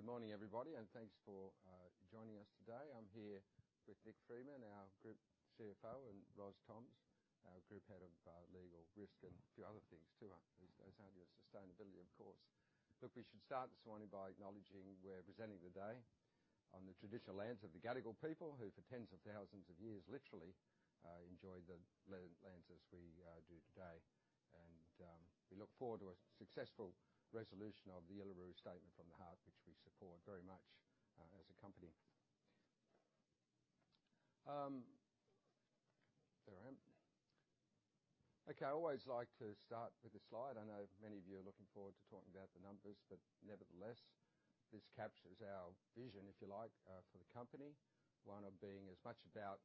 Good morning, everybody, thanks for joining us today. I'm here with Nick Freeman, our Group CFO, and Ros Toms, our Group Head of Legal, Risk, and a few other things too. There's only the sustainability, of course. We should start this morning by acknowledging we're presenting today on the traditional lands of the Gadigal people, who for tens of thousands of years literally enjoyed the lands as we do today. We look forward to a successful resolution of the Uluru Statement from the Heart, which we support very much as a company. There I am. I always like to start with a slide. I know many of you are looking forward to talking about the numbers, nevertheless, this captures our vision, if you like, for the company. One of being as much about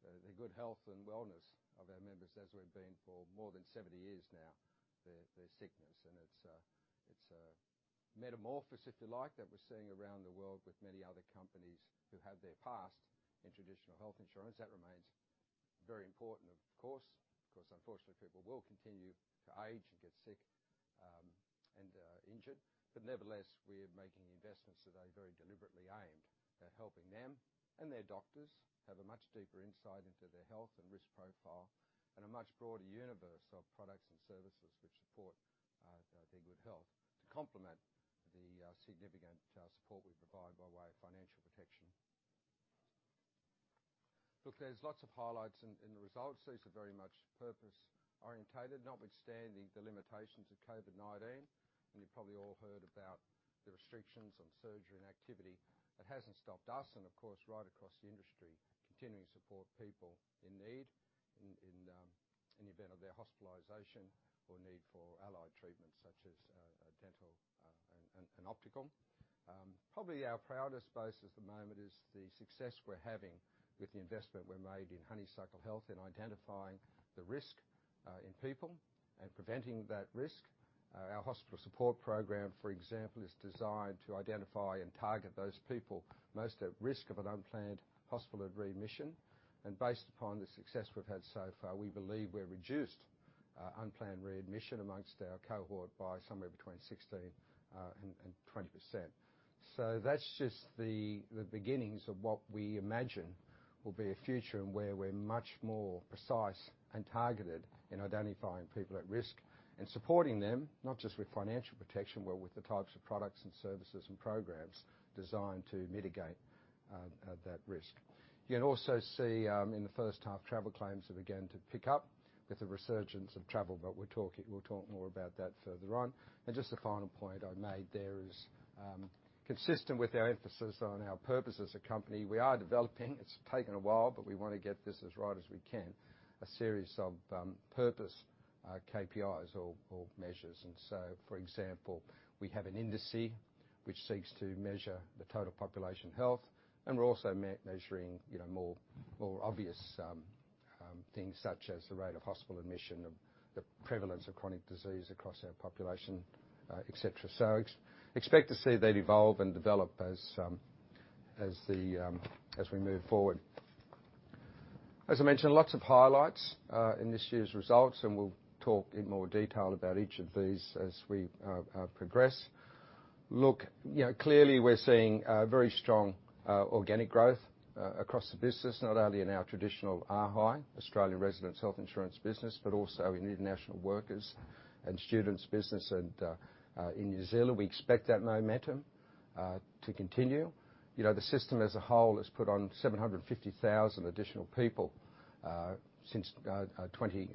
the good health and wellness of our members as we've been for more than 70 years now, their sickness. It's a metamorphosis, if you like, that we're seeing around the world with many other companies who have their past in traditional health insurance. That remains very important, of course, because unfortunately, people will continue to age and get sick and injured. Nevertheless, we are making investments today very deliberately aimed at helping them and their doctors have a much deeper insight into their health and risk profile and a much broader universe of products and services which support their good health to complement the significant support we provide by way of financial protection. Look, there's lots of highlights in the results. These are very much purpose-orientated, notwithstanding the limitations of COVID-19. You've probably all heard about the restrictions on surgery and activity. That hasn't stopped us, and of course, right across the industry, continuing to support people in need in event of their hospitalization or need for allied treatment such as dental and optical. Probably our proudest boast at the moment is the success we're having with the investment we made in Honeysuckle Health in identifying the risk in people and preventing that risk. Our hospital support program, for example, is designed to identify and target those people most at risk of an unplanned hospital readmission. Based upon the success we've had so far, we believe we've reduced unplanned readmission amongst our cohort by somewhere between 16% and 20%. That's just the beginnings of what we imagine will be a future in where we're much more precise and targeted in identifying people at risk and supporting them, not just with financial protection, but with the types of products and services and programs designed to mitigate that risk. You can also see in the first half, travel claims have begun to pick up with the resurgence of travel, we'll talk more about that further on. Just a final point I'd made there is, consistent with our emphasis on our purpose as a company. We are developing, it's taken a while, but we want to get this as right as we can, a series of purpose KPIs or measures. For example, we have an industry which seeks to measure the total population health, and we're also measuring, you know, more, more obvious things such as the rate of hospital admission and the prevalence of chronic disease across our population, et cetera. Expect to see that evolve and develop as the as we move forward. As I mentioned, lots of highlights in this year's results, and we'll talk in more detail about each of these as we progress. Look, you know, clearly we're seeing very strong organic growth across the business, not only in our traditional arhi, Australian Residents Health Insurance business, but also in the international workers and students business and in New Zealand. We expect that momentum to continue. You know, the system as a whole has put on 750,000 additional people since 2020.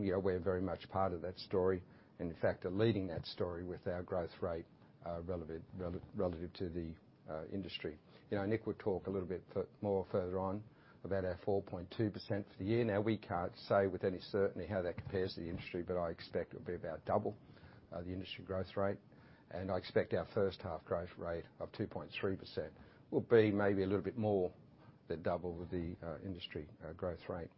You know, we're very much part of that story, and in fact are leading that story with our growth rate relative to the industry. You know, Nick will talk a little bit further on about our 4.2% for the year. Now, we can't say with any certainty how that compares to the industry, but I expect it'll be about double the industry growth rate. I expect our first half growth rate of 2.3% will be maybe a little bit more than double the industry growth rate.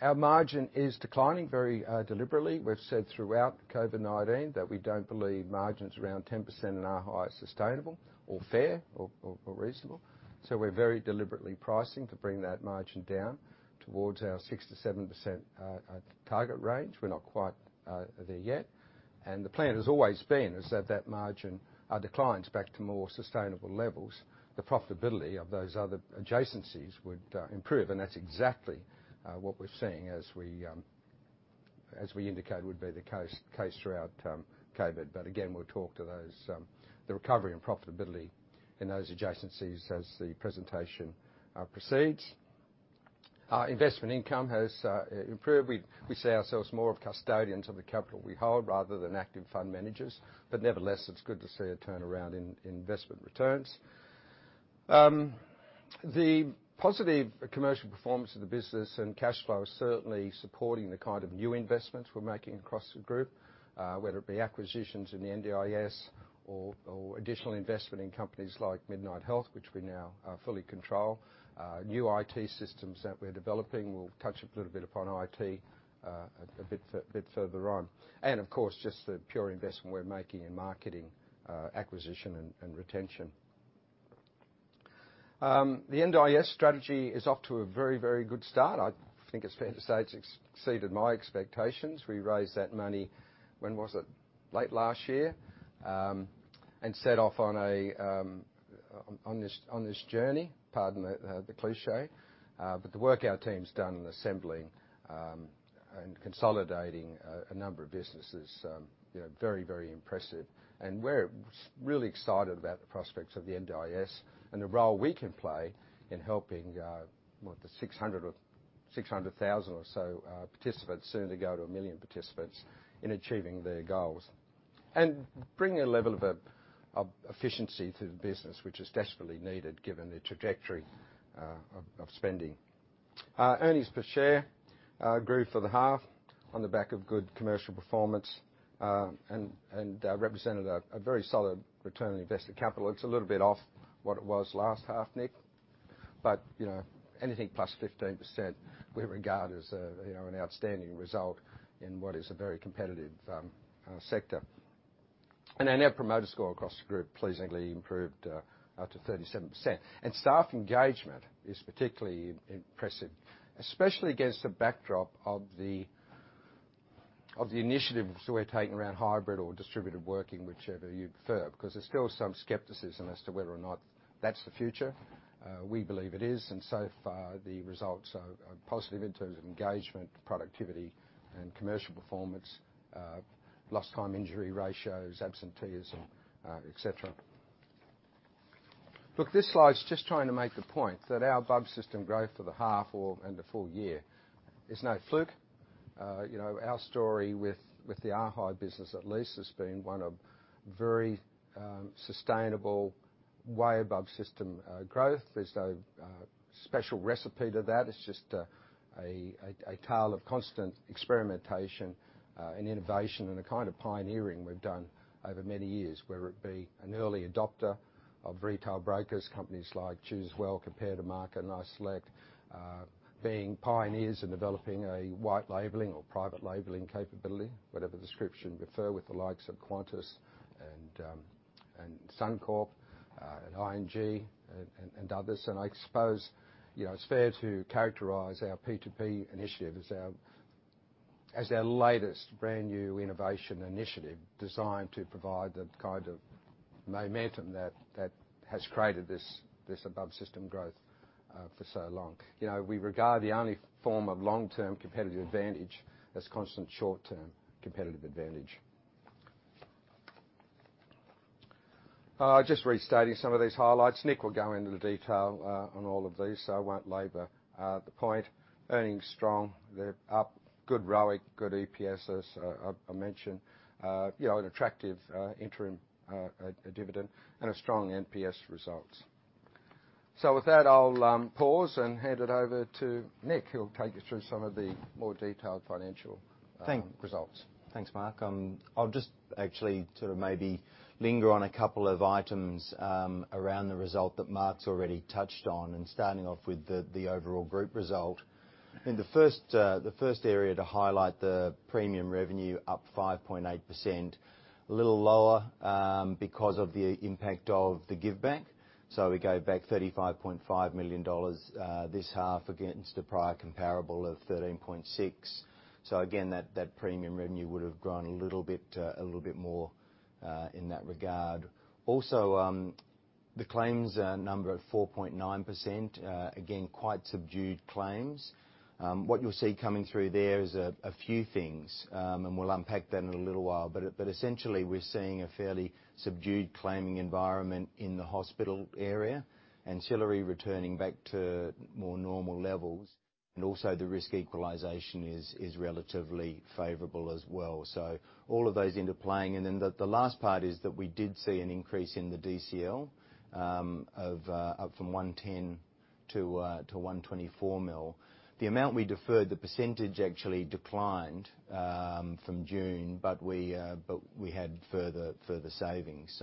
Our margin is declining very deliberately. We've said throughout COVID-19 that we don't believe margins around 10% in arhi are sustainable or fair or reasonable. We're very deliberately pricing to bring that margin down towards our 6%-7% target range. We're not quite there yet. The plan has always been is that that margin declines back to more sustainable levels. The profitability of those other adjacencies would improve, and that's exactly what we're seeing as we indicated would be the case throughout COVID. Again, we'll talk to those, the recovery and profitability in those adjacencies as the presentation proceeds. Our investment income has improved. We see ourselves more of custodians of the capital we hold rather than active fund managers. Nevertheless, it's good to see a turnaround in investment returns. The positive commercial performance of the business and cash flow is certainly supporting the kind of new investments we're making across the group, whether it be acquisitions in the NDIS or additional investment in companies like Midnight Health, which we now fully control. New IT systems that we're developing. We'll touch a little bit upon IT a bit further on. Of course, just the pure investment we're making in marketing, acquisition and retention. The NDIS strategy is off to a very, very good start. I think it's fair to say it's exceeded my expectations. We raised that money, when was it? Late last year. Set off on this journey, pardon the cliché. The work our team's done in assembling, and consolidating a number of businesses, you know, very, very impressive. We're really excited about the prospects of the NDIS and the role we can play in helping, what, the 600,000 or so, participants, soon to go to 1 million participants, in achieving their goals. Bringing a level of efficiency to the business which is desperately needed given the trajectory of spending. Earnings per share grew for the half on the back of good commercial performance. Represented a very solid return on invested capital. It's a little bit off what it was last half, Nick, you know, anything +15% we regard as a, you know, an outstanding result in what is a very competitive sector. Our Net Promoter Score across the group pleasingly improved up to 37%. Staff engagement is particularly impressive, especially against the backdrop of the initiatives we're taking around hybrid or distributed working, whichever you'd prefer, because there's still some skepticism as to whether or not that's the future. We believe it is, so far the results are positive in terms of engagement, productivity, and commercial performance, lost time injury ratios, absenteeism, et cetera. Look, this slide's just trying to make the point that our bug system growth for the half and the full year is no fluke. You know, our story with the arhi business at least has been one of very sustainable way above system growth. There's no special recipe to that, it's just a tale of constant experimentation and innovation and the kind of pioneering we've done over many years, whether it be an early adopter of retail brokers, companies like Choosewell, Compare the Market, and iSelect. Being pioneers in developing a white labeling or private labeling capability, whatever description you prefer, with the likes of Qantas and Suncorp and ING and others. I suppose, you know, it's fair to characterize our P2P initiative as our latest brand-new innovation initiative designed to provide the kind of momentum that has created this above system growth for so long. You know, we regard the only form of long-term competitive advantage as constant short-term competitive advantage. Just restating some of these highlights. Nick will go into the detail on all of these, so I won't labor the point. Earnings strong, they're up. Good ROIC, good EPSes, I mentioned. You know, an attractive interim dividend and a strong NPS results. With that, I'll pause and hand it over to Nick, who'll take you through some of the more detailed financial results. Thanks, Mark. I'll just actually sort of maybe linger on a couple of items around the result that Mark's already touched on, and starting off with the overall group result. I think the first area to highlight, the premium revenue up 5.8%. A little lower because of the impact of the give back. We gave back 35.5 million dollars this half against the prior comparable of 13.6 million. Again, that premium revenue would have grown a little bit, a little bit more in that regard. Also, the claims number of 4.9%, again, quite subdued claims. What you'll see coming through there is a few things, and we'll unpack that in a little while. Essentially, we're seeing a fairly subdued claiming environment in the hospital area, ancillary returning back to more normal levels. The risk equalization is relatively favorable as well. All of those interplaying. The last part is that we did see an increase in the DCL of up from 110 million to 124 million. The amount we deferred, the percentage actually declined from June, but we had further savings.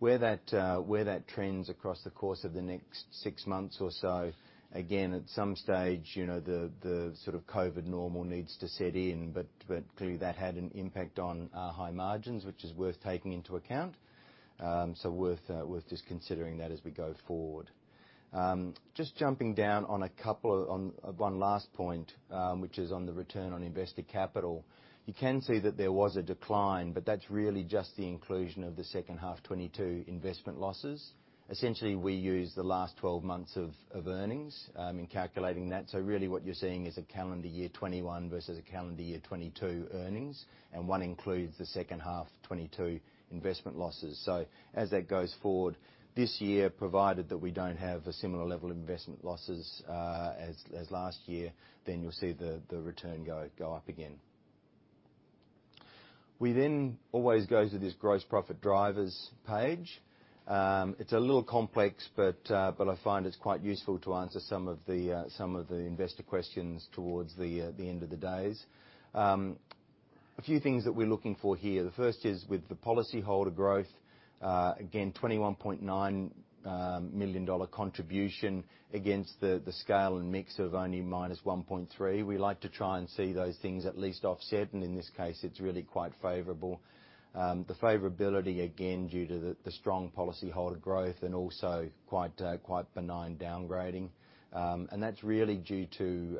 Where that trends across the course of the next six months or so, again, at some stage, you know, the sort of COVID normal needs to set in. Clearly that had an impact on our high margins, which is worth taking into account. Worth just considering that as we go forward. Just jumping down on one last point, which is on the return on invested capital. You can see that there was a decline, that's really just the inclusion of the second half 2022 investment losses. Essentially, we use the last 12 months of earnings in calculating that. Really what you're seeing is a calendar year 2021 versus a calendar year 2022 earnings, and one includes the second half 2022 investment losses. As that goes forward this year, provided that we don't have a similar level of investment losses as last year, you'll see the return go up again. We always go to this gross profit drivers page. It's a little complex, but I find it's quite useful to answer some of the investor questions towards the end of the days. A few things that we're looking for here. The first is with the policyholder growth, again, 21.9 million dollar contribution against the scale and mix of only -1.3 million. We like to try and see those things at least offset, and in this case, it's really quite favorable. The favorability again due to the strong policyholder growth and also quite benign downgrading. That's really due to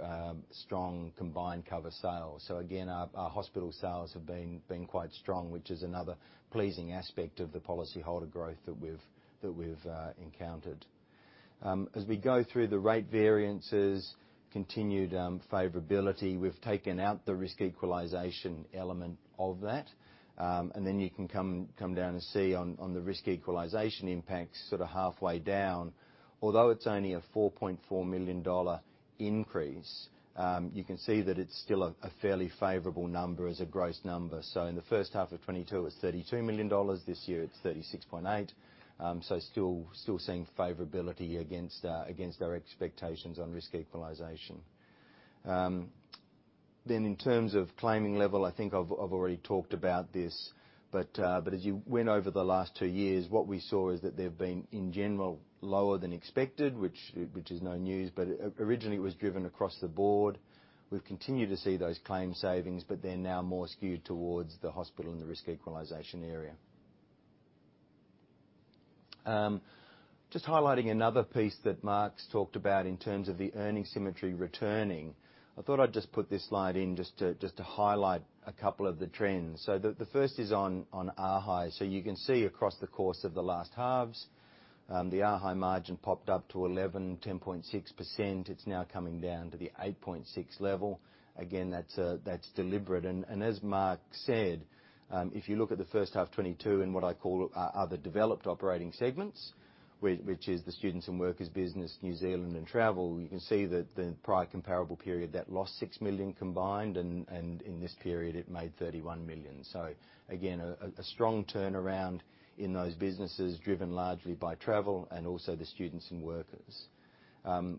strong combined cover sales. Again, our hospital sales have been quite strong, which is another pleasing aspect of the policyholder growth that we've encountered. As we go through the rate variances, continued favorability, we've taken out the risk equalization element of that. You can come down and see on the risk equalization impact, sort of halfway down. Although it's only an 4.4 million dollar increase, you can see that it's still a fairly favorable number as a gross number. In the first half of 2022, it's 32 million dollars. This year it's 36.8 million. Still seeing favorability against our expectations on risk equalization. In terms of claiming level, I've already talked about this, as you went over the last two years, what we saw is that they've been, in general, lower than expected, which is no news. Originally, it was driven across the board. We've continued to see those claim savings, they're now more skewed towards the hospital and the risk equalization area. Just highlighting another piece that Mark's talked about in terms of the earning symmetry returning. I thought I'd just put this slide in just to highlight a couple of the trends. The first is on arhi. You can see across the course of the last halves, the arhi margin popped up to 10.6%. It's now coming down to the 8.6% level. Again, that's deliberate. As Mark said, if you look at the first half 2022 and what I call our other developed operating segments, which is the students and workers business, New Zealand and travel, you can see that the prior comparable period, that lost 6 million combined, and in this period, it made 31 million. Again, a strong turnaround in those businesses, driven largely by travel and also the students and workers.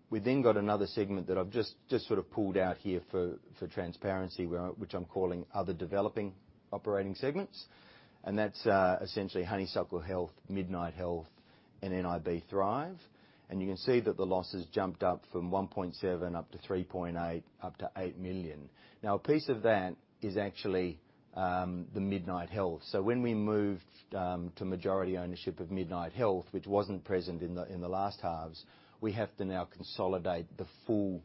We've then got another segment that I've just sort of pulled out here for transparency, which I'm calling other developing operating segments. That's essentially Honeysuckle Health, Midnight Health, and nib Thrive. You can see that the losses jumped up from 1.7 up to 3.8, up to 8 million. A piece of that is actually the Midnight Health. When we moved to majority ownership of Midnight Health, which wasn't present in the last halves, we have to now consolidate the full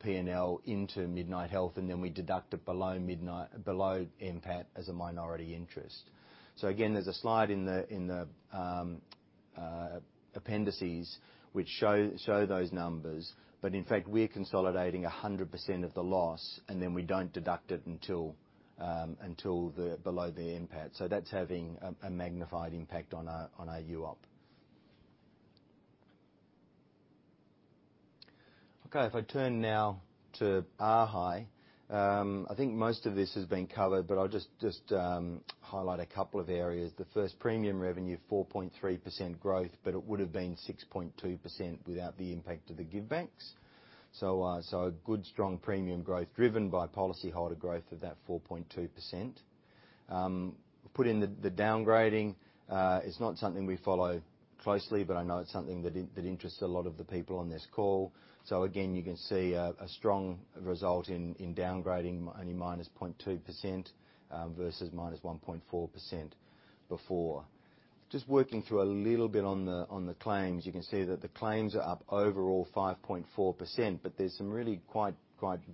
P&L into Midnight Health, and then we deduct it below NPAT as a minority interest. Again, there's a slide in the appendices which show those numbers. In fact, we're consolidating 100% of the loss, and then we don't deduct it until below the NPAT. That's having a magnified impact on our UOP. Okay, if I turn now to arhi, I think most of this has been covered, but I'll just highlight a couple of areas. The first premium revenue, 4.3% growth, but it would've been 6.2% without the impact of the givebacks. A good strong premium growth driven by policyholder growth of that 4.2%. Put in the downgrading, it's not something we follow closely, but I know it's something that interests a lot of the people on this call. Again, you can see a strong result in downgrading, only -0.2% versus -1.4% before. Working through a little bit on the claims, you can see that the claims are up overall 5.4%, but there's some really quite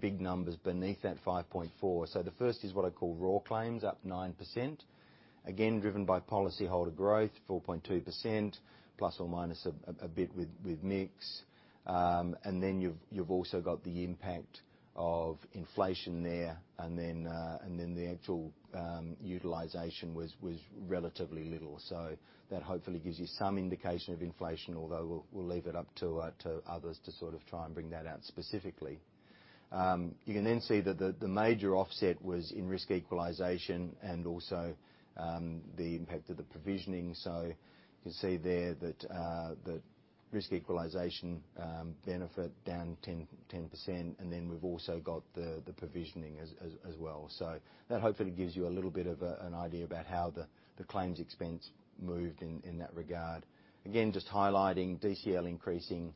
big numbers beneath that 5.4%. The first is what I call raw claims, up 9%, again, driven by policyholder growth, 4.2%, plus or minus a bit with mix. You've also got the impact of inflation there, and then the actual utilization was relatively little. That hopefully gives you some indication of inflation, although we'll leave it up to others to sort of try and bring that out specifically. You can see that the major offset was in risk equalization and also the impact of the provisioning. You can see there that the risk equalization benefit down 10%, and then we've also got the provisioning as well. That hopefully gives you a little bit of an idea about how the claims expense moved in that regard. Again, just highlighting DCL increasing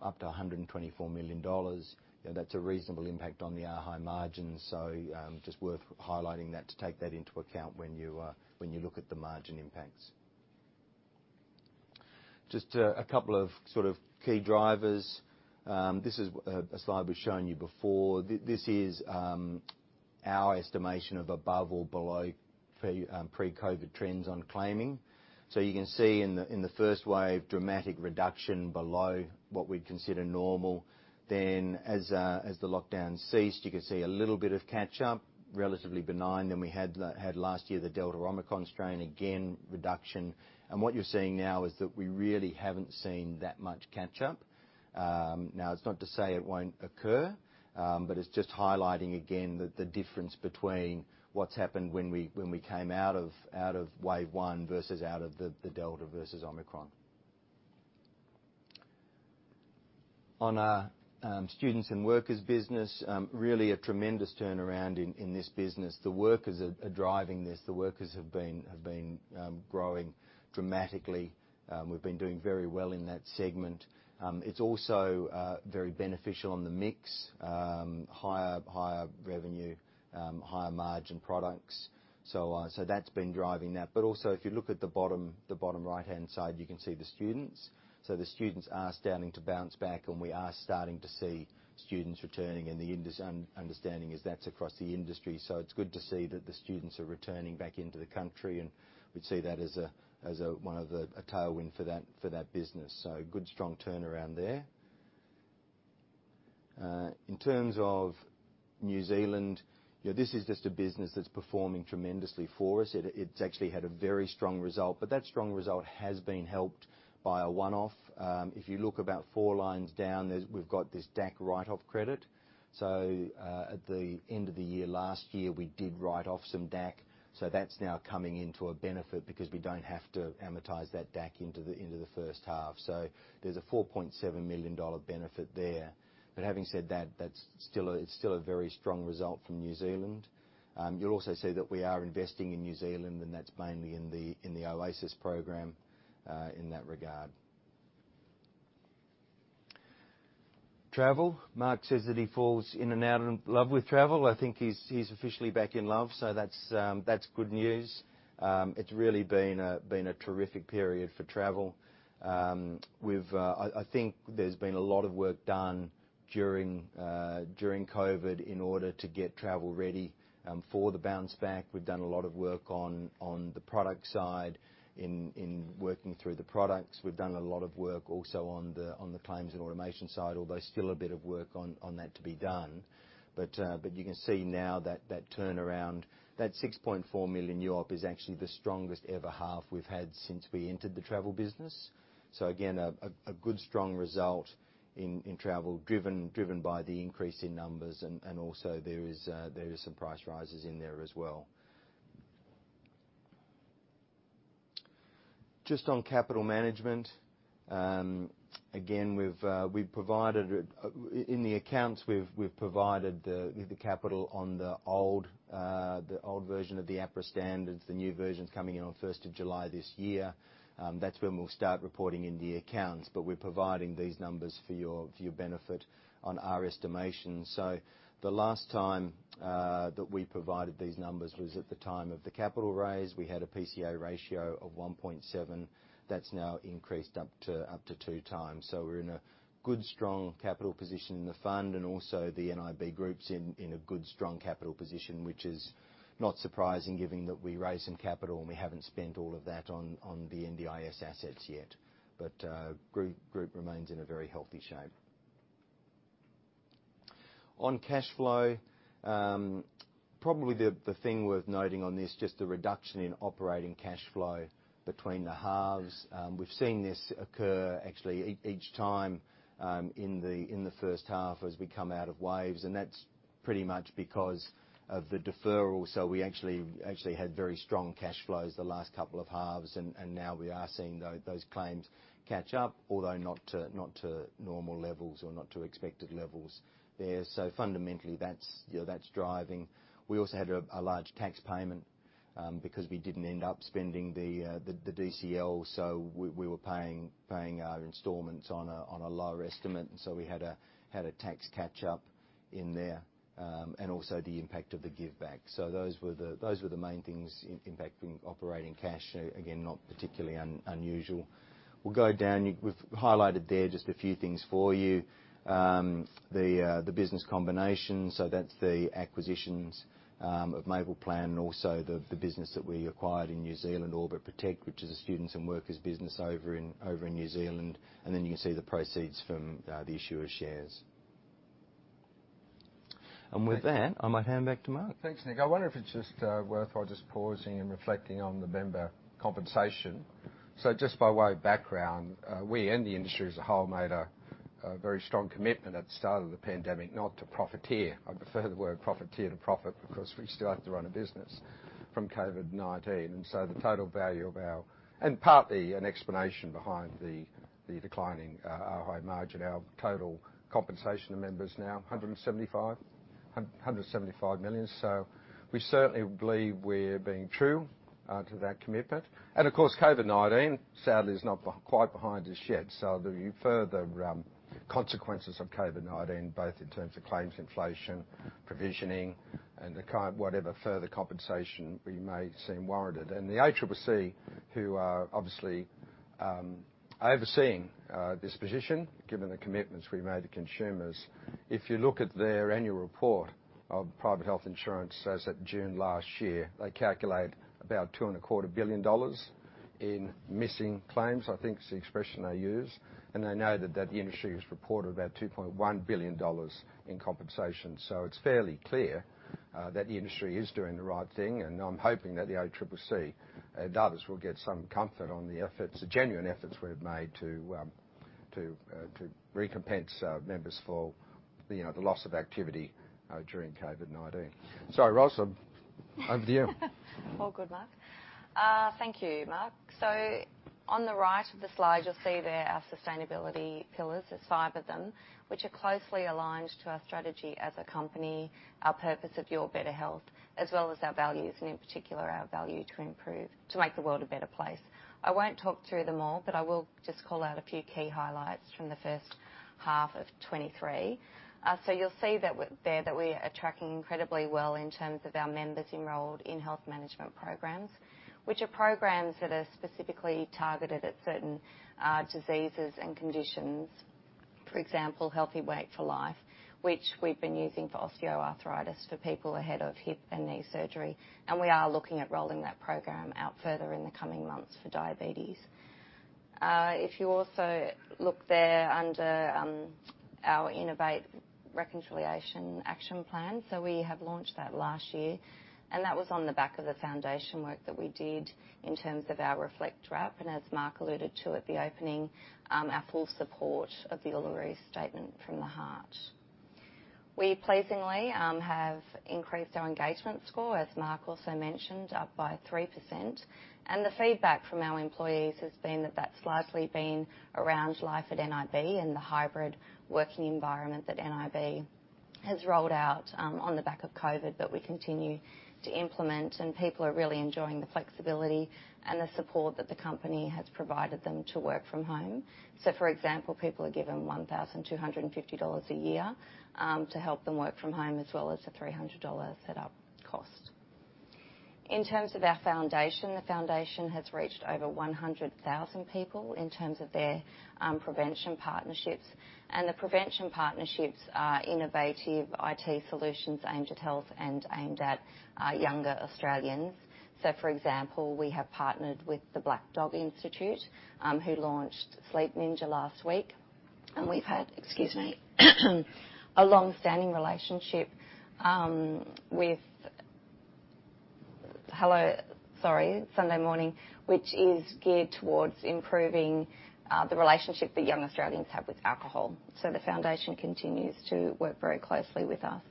up to 124 million dollars. You know, that's a reasonable impact on the arhi margins. Just worth highlighting that to take that into account when you when you look at the margin impacts. Just a couple of sort of key drivers. This is a slide we've shown you before. This is our estimation of above or below pre-COVID trends on claiming. You can see in the, in the first wave, dramatic reduction below what we'd consider normal. As the lockdown ceased, you could see a little bit of catch-up, relatively benign. We had last year the Delta Omicron strain, again, reduction. What you're seeing now is that we really haven't seen that much catch-up. Now, it's not to say it won't occur, but it's just highlighting again the difference between what's happened when we came out of Wave 1 versus out of the Delta versus Omicron. On our students and workers business, really a tremendous turnaround in this business. The workers are driving this. The workers have been growing dramatically. We've been doing very well in that segment. It's also very beneficial in the mix. Higher revenue, higher margin products. That's been driving that. If you look at the bottom right-hand side, you can see the students. The students are starting to bounce back, and we are starting to see students returning, and the understanding is that's across the industry. It's good to see that the students are returning back into the country, and we'd see that as a tailwind for that, for that business. Good, strong turnaround there. In terms of New Zealand, you know, this is just a business that's performing tremendously for us. It's actually had a very strong result, but that strong result has been helped by a one-off. If you look about four lines down, we've got this DAC write-off credit. At the end of the year last year, we did write off some DAC. That's now coming into a benefit because we don't have to amortize that DAC into the first half. There's a $4.7 million benefit there. Having said that, it's still a very strong result from New Zealand. You'll also see that we are investing in New Zealand, and that's mainly in the Oasis program in that regard. Travel. Mark says that he falls in and out of love with travel. I think he's officially back in love, so that's good news. It's really been a terrific period for travel. We've, I think there's been a lot of work done during COVID in order to get travel ready for the bounce back. We've done a lot of work on the product side in working through the products. We've done a lot of work also on the claims and automation side, although still a bit of work on that to be done. You can see now that turnaround, that 6.4 million is actually the strongest ever half we've had since we entered the travel business. Again, a good strong result in travel, driven by the increase in numbers and also there is some price rises in there as well. Just on capital management, again, in the accounts, we've provided the capital on the old version of the APRA standards, the new versions coming in on 1st of July this year. That's when we'll start reporting in the accounts, but we're providing these numbers for your benefit on our estimations. The last time that we provided these numbers was at the time of the capital raise. We had a PCA ratio of 1.7. That's now increased up to 2x. We're in a good, strong capital position in the fund, and also the nib Group's in a good, strong capital position, which is not surprising given that we raised some capital, and we haven't spent all of that on the NDIS assets yet. Group remains in a very healthy shape. On cash flow, probably the thing worth noting on this, just the reduction in operating cash flow between the halves. We've seen this occur actually each time, in the first half as we come out of waves, that's pretty much because of the deferral. We actually had very strong cash flows the last couple of halves, and now we are seeing those claims catch up, although not to, not to normal levels or not to expected levels there. Fundamentally, that's, you know, that's driving. We also had a large tax payment, because we didn't end up spending the DCL, so we were paying our installments on a, on a lower estimate. We had a tax catch up in there, and also the impact of the give back. Those were the main things impacting operating cash. Again, not particularly unusual. We'll go down. We've highlighted there just a few things for you. The business combination, so that's the acquisitions, of Maple Plan and also the business that we acquired in New Zealand, OrbitProtect, which is a students and workers business over in, over in New Zealand. You can see the proceeds from the issuer shares. With that, I'm gonna hand back to Mark. Thanks, Nick. I wonder if it's just worthwhile just pausing and reflecting on the member compensation. Just by way of background, we and the industry as a whole made a very strong commitment at the start of the pandemic not to profiteer. I prefer the word profiteer to profit because we still have to run a business from COVID-19. The total value of our partly an explanation behind the declining high margin, our total compensation to members now, 175 million. We certainly believe we're being true to that commitment. Of course, COVID-19 sadly is not quite behind us yet. The further consequences of COVID-19, both in terms of claims inflation, provisioning and the kind, whatever further compensation we may seem warranted. The ACCC, who are obviously overseeing this position, given the commitments we made to consumers. If you look at their annual report of private health insurance as at June last year, they calculate about 2.25 billion dollars in missing claims, I think is the expression they use. They noted that the industry has reported about 2.1 billion dollars in compensation. It's fairly clear that the industry is doing the right thing. I'm hoping that the ACCC and others will get some comfort on the efforts, the genuine efforts we've made to recompense our members for the, you know, the loss of activity during COVID-19. Ros, over to you. All good, Mark. Thank you, Mark. On the right of the slide, you'll see there our sustainability pillars. There's five of them, which are closely aligned to our strategy as a company, our purpose of your better health, as well as our values, and in particular, our value to make the world a better place. I won't talk through them all, but I will just call out a few key highlights from the first half of 2023. You'll see there that we are tracking incredibly well in terms of our members enrolled in health management programs, which are programs that are specifically targeted at certain diseases and conditions. For example, Healthy Weight for Life, which we've been using for osteoarthritis for people ahead of hip and knee surgery, we are looking at rolling that program out further in the coming months for diabetes. If you also look there under our Innovate Reconciliation Action Plan. We have launched that last year, and that was on the back of the foundation work that we did in terms of our Reflect RAP. As Mark alluded to at the opening, our full support of the Uluru Statement from the Heart. We pleasingly have increased our engagement score, as Mark also mentioned, up by 3%. The feedback from our employees has been that that's largely been around life at nib and the hybrid working environment that nib has rolled out on the back of COVID, that we continue to implement, and people are really enjoying the flexibility and the support that the company has provided them to work from home. For example, people are given $1,250 a year to help them work from home as well as the $300 set up cost. In terms of our foundation, the foundation has reached over 100,000 people in terms of their prevention partnerships. The prevention partnerships are innovative IT solutions aimed at health and aimed at younger Australians. For example, we have partnered with the Black Dog Institute, who launched Sleep Ninja last week. We've had, excuse me, a long-standing relationship with Hello Sunday Morning, which is geared towards improving the relationship that young Australians have with alcohol. The foundation continues to work very closely with us.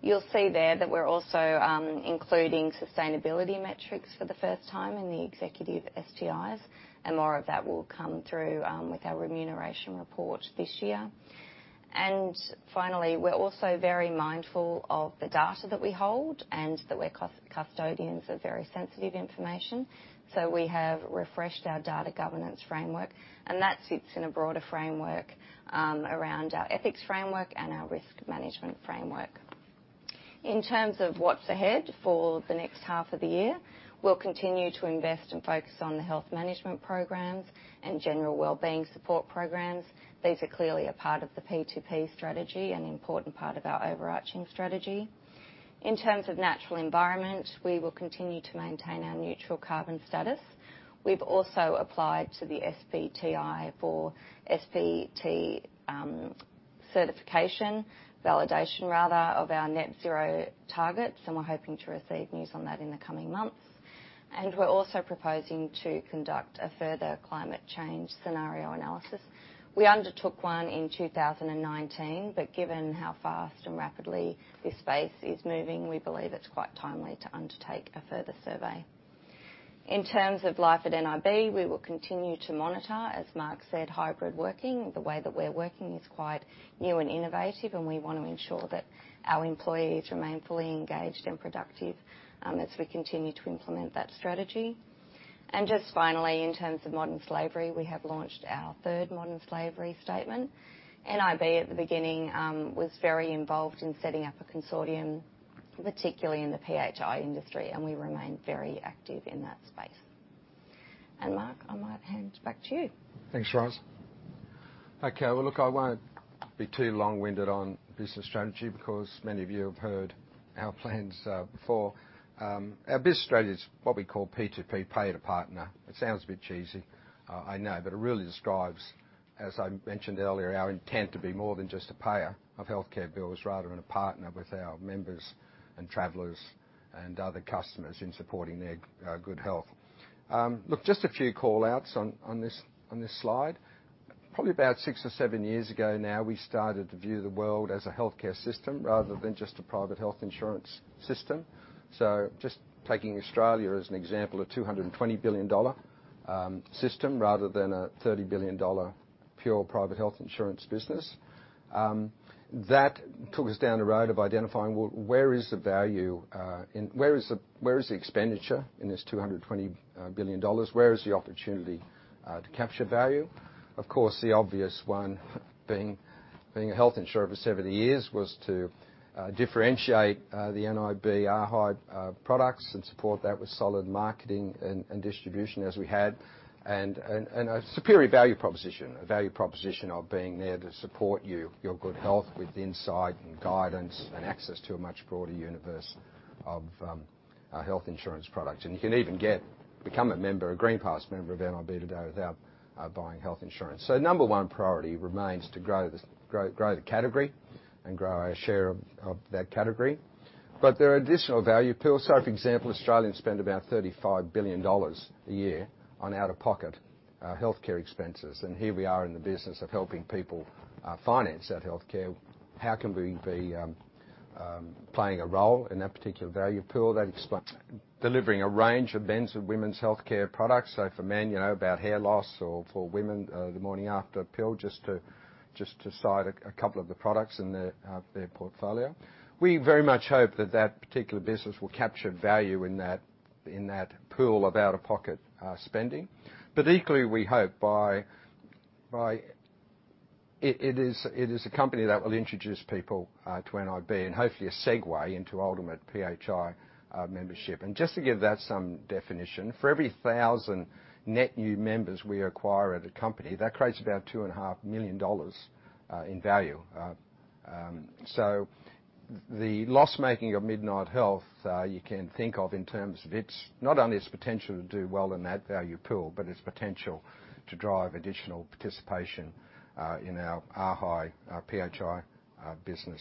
You'll see there that we're also including sustainability metrics for the first time in the executive STIs, and more of that will come through with our remuneration report this year. Finally, we're also very mindful of the data that we hold and that we're custodians of very sensitive information. We have refreshed our data governance framework, and that sits in a broader framework around our ethics framework and our risk management framework. In terms of what's ahead for the next half of the year, we'll continue to invest and focus on the health management programs and general wellbeing support programs. These are clearly a part of the P2P strategy and an important part of our overarching strategy. In terms of natural environment, we will continue to maintain our neutral carbon status. We've also applied to the SBTI for SBT certification, validation rather, of our net zero targets, and we're hoping to receive news on that in the coming months. We're also proposing to conduct a further climate change scenario analysis. We undertook one in 2019, but given how fast and rapidly this space is moving, we believe it's quite timely to undertake a further survey. In terms of life at nib, we will continue to monitor, as Mark said, hybrid working. The way that we're working is quite new and innovative, and we wanna ensure that our employees remain fully engaged and productive, as we continue to implement that strategy. Just finally, in terms of modern slavery, we have launched our third modern slavery statement. nib at the beginning was very involved in setting up a consortium, particularly in the PHI industry, and we remain very active in that space. Mark, I might hand back to you. Thanks, Ros. Well, look, I won't be too long-winded on business strategy because many of you have heard our plans before. Our biz strategy is what we call P2P, Payer to Partner. It sounds a bit cheesy, I know, it really describes, as I mentioned earlier, our intent to be more than just a payer of healthcare bills, rather than a partner with our members and travelers and other customers in supporting their good health. Look, just a few call-outs on this slide. Probably about six or seven years ago now, we started to view the world as a healthcare system rather than just a private health insurance system. Just taking Australia as an example, an 220 billion dollar system rather than an 30 billion dollar pure private health insurance business. That took us down a road of identifying, well, where is the value, where is the expenditure in this 220 billion dollars? Where is the opportunity to capture value? Of course, the obvious one being a health insurer for 70 years was to differentiate the nib arhi products and support that with solid marketing and distribution as we had, and a superior value proposition, a value proposition of being there to support you, your good health with insight and guidance and access to a much broader universe of health insurance products. You can even become a member, a GreenPass member of nib today without buying health insurance. Number one priority remains to grow the category and grow our share of that category. There are additional value pills. For example, Australians spend about 35 billion dollars a year on out-of-pocket healthcare expenses. Here we are in the business of helping people finance that healthcare. How can we be playing a role in that particular value pool that explains delivering a range of men's and women's healthcare products. For men, you know, about hair loss or for women, the morning-after pill, just to cite a couple of the products in their portfolio. We very much hope that that particular business will capture value in that, in that pool of out-of-pocket spending. Equally, we hope by. It is a company that will introduce people to nib and hopefully a segue into ultimate PHI membership. Just to give that some definition, for every 1,000 net new members we acquire at a company, that creates about $2.5 million in value. So the loss-making of Midnight Health, you can think of in terms of its, not only its potential to do well in that value pool, but its potential to drive additional participation in our arhi PHI business.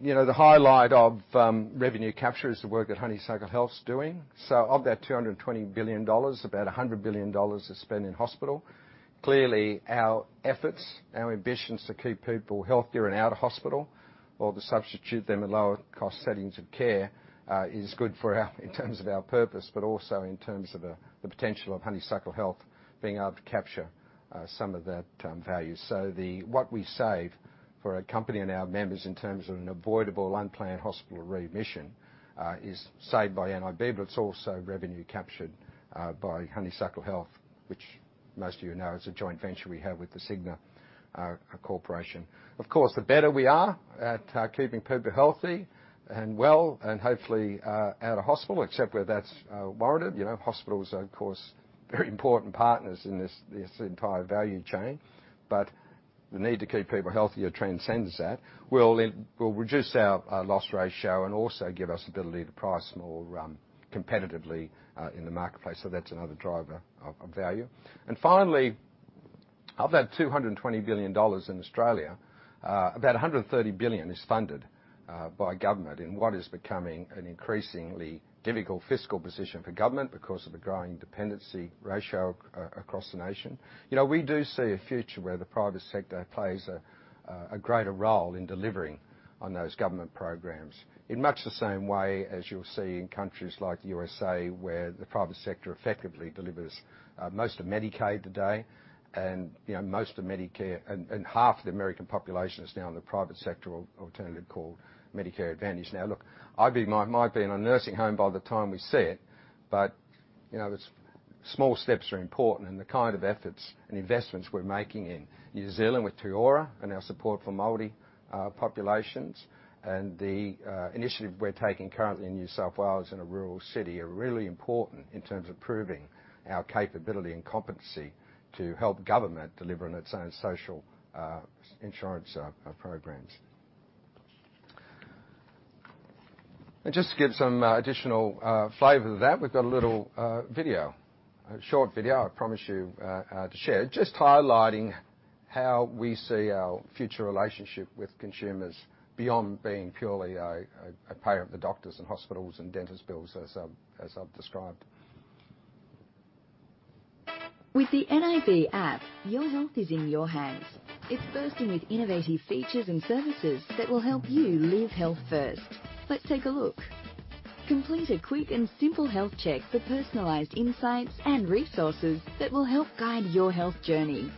You know, the highlight of revenue capture is the work that Honeysuckle Health's doing. So of that 220 billion dollars, about 100 billion dollars is spent in hospital. Clearly, our efforts, our ambitions to keep people healthier and out of hospital or to substitute them at lower cost settings of care, is good for in terms of our purpose, but also in terms of the potential of Honeysuckle Health being able to capture some of that value. What we save for our company and our members in terms of an avoidable, unplanned hospital readmission, is saved by nib, but it's also revenue captured by Honeysuckle Health, which most of you know is a joint venture we have with the Cigna Corporation. The better we are at keeping people healthy and well, and hopefully, out of hospital, except where that's warranted. You know, hospitals are, of course, very important partners in this entire value chain. The need to keep people healthier transcends that, will reduce our loss ratio and also give us ability to price more competitively in the marketplace. That's another driver of value. Finally, of that 220 billion dollars in Australia, about 130 billion is funded by government in what is becoming an increasingly difficult fiscal position for government because of the growing dependency ratio across the nation. You know, we do see a future where the private sector plays a greater role in delivering on those government programs in much the same way as you'll see in countries like U.S.A. where the private sector effectively delivers most of Medicaid today and, you know, most of Medicare. Half the American population is now in the private sector alternative called Medicare Advantage. I might be in a nursing home by the time we see it, you know, the small steps are important and the kind of efforts and investments we're making in New Zealand with Toi Ora and our support for Māori populations and the initiative we're taking currently in New South Wales in a rural city are really important in terms of proving our capability and competency to help government deliver on its own social insurance programs. Just to give some additional flavor to that, we've got a little video, a short video I promise you, to share, just highlighting how we see our future relationship with consumers beyond being purely a payer of the doctors and hospitals and dentist bills as I've described. With the nib App, your health is in your hands. It's bursting with innovative features and services that will help you live health first. Let's take a look. Complete a quick and simple health check for personalized insights and resources that will help guide your health journey.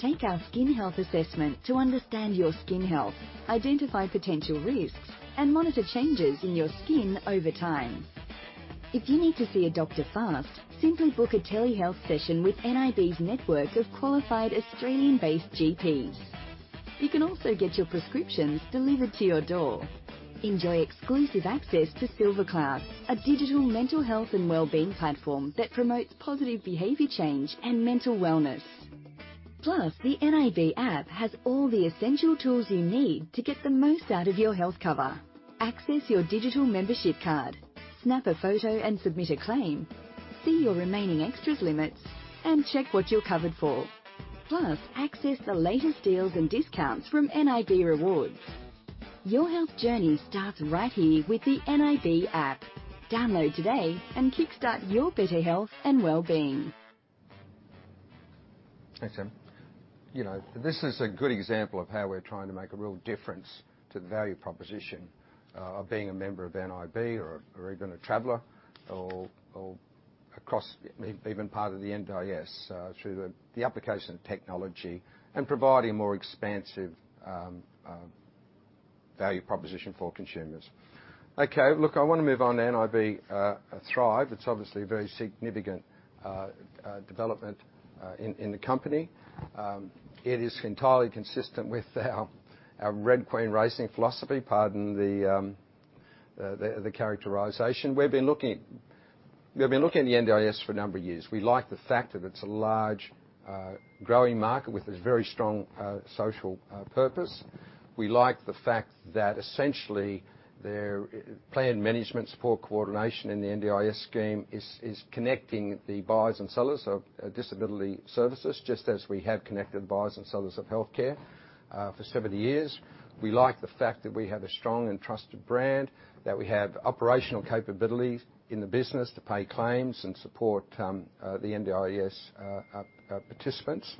Take our skin health assessment to understand your skin health, identify potential risks, and monitor changes in your skin over time. If you need to see a doctor fast, simply book a telehealth session with nib's network of qualified Australian-based GPs. You can also get your prescriptions delivered to your door. Enjoy exclusive access to SilverCloud, a digital mental health and wellbeing platform that promotes positive behavior change and mental wellness. The nib App has all the essential tools you need to get the most out of your health cover. Access your digital membership card, snap a photo and submit a claim, see your remaining extras limits, and check what you're covered for. Access the latest deals and discounts from nib Rewards. Your health journey starts right here with the nib App. Download today and kickstart your better health and wellbeing. Thanks, Sam. You know, this is a good example of how we're trying to make a real difference to the value proposition, of being a member of nib or even a traveler or across even part of the NDIS, through the application of technology and providing a more expansive, value proposition for consumers. Okay. Look, I wanna move on to nib Thrive. It's obviously a very significant development in the company. It is entirely consistent with our Red Queen racing philosophy, pardon the characterization. We've been looking at the NDIS for a number of years. We like the fact that it's a large, growing market with this very strong social purpose. We like the fact that essentially their plan management support coordination in the NDIS scheme is connecting the buyers and sellers of disability services, just as we have connected buyers and sellers of healthcare for 70 years. We like the fact that we have a strong and trusted brand, that we have operational capabilities in the business to pay claims and support the NDIS participants.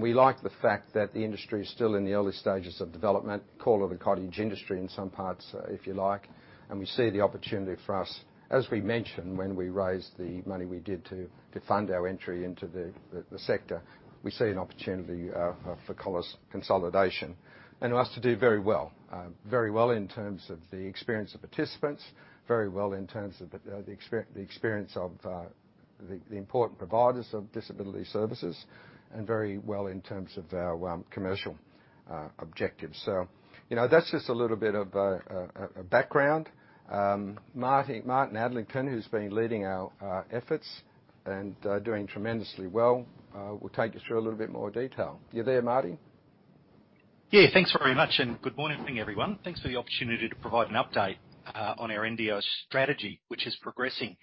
We like the fact that the industry is still in the early stages of development, call it a cottage industry in some parts, if you like. We see the opportunity for us. As we mentioned, when we raised the money we did to fund our entry into the sector, we see an opportunity for callers consolidation, and for us to do very well. Very well in terms of the experience of participants, very well in terms of the experience of the important providers of disability services, and very well in terms of our commercial objectives. You know, that's just a little bit of a background. Martin Adlington, who's been leading our efforts and doing tremendously well, will take you through a little bit more detail. You there, Marty? Thanks very much, and good morning, everyone. Thanks for the opportunity to provide an update on our NDIS strategy, which is progressing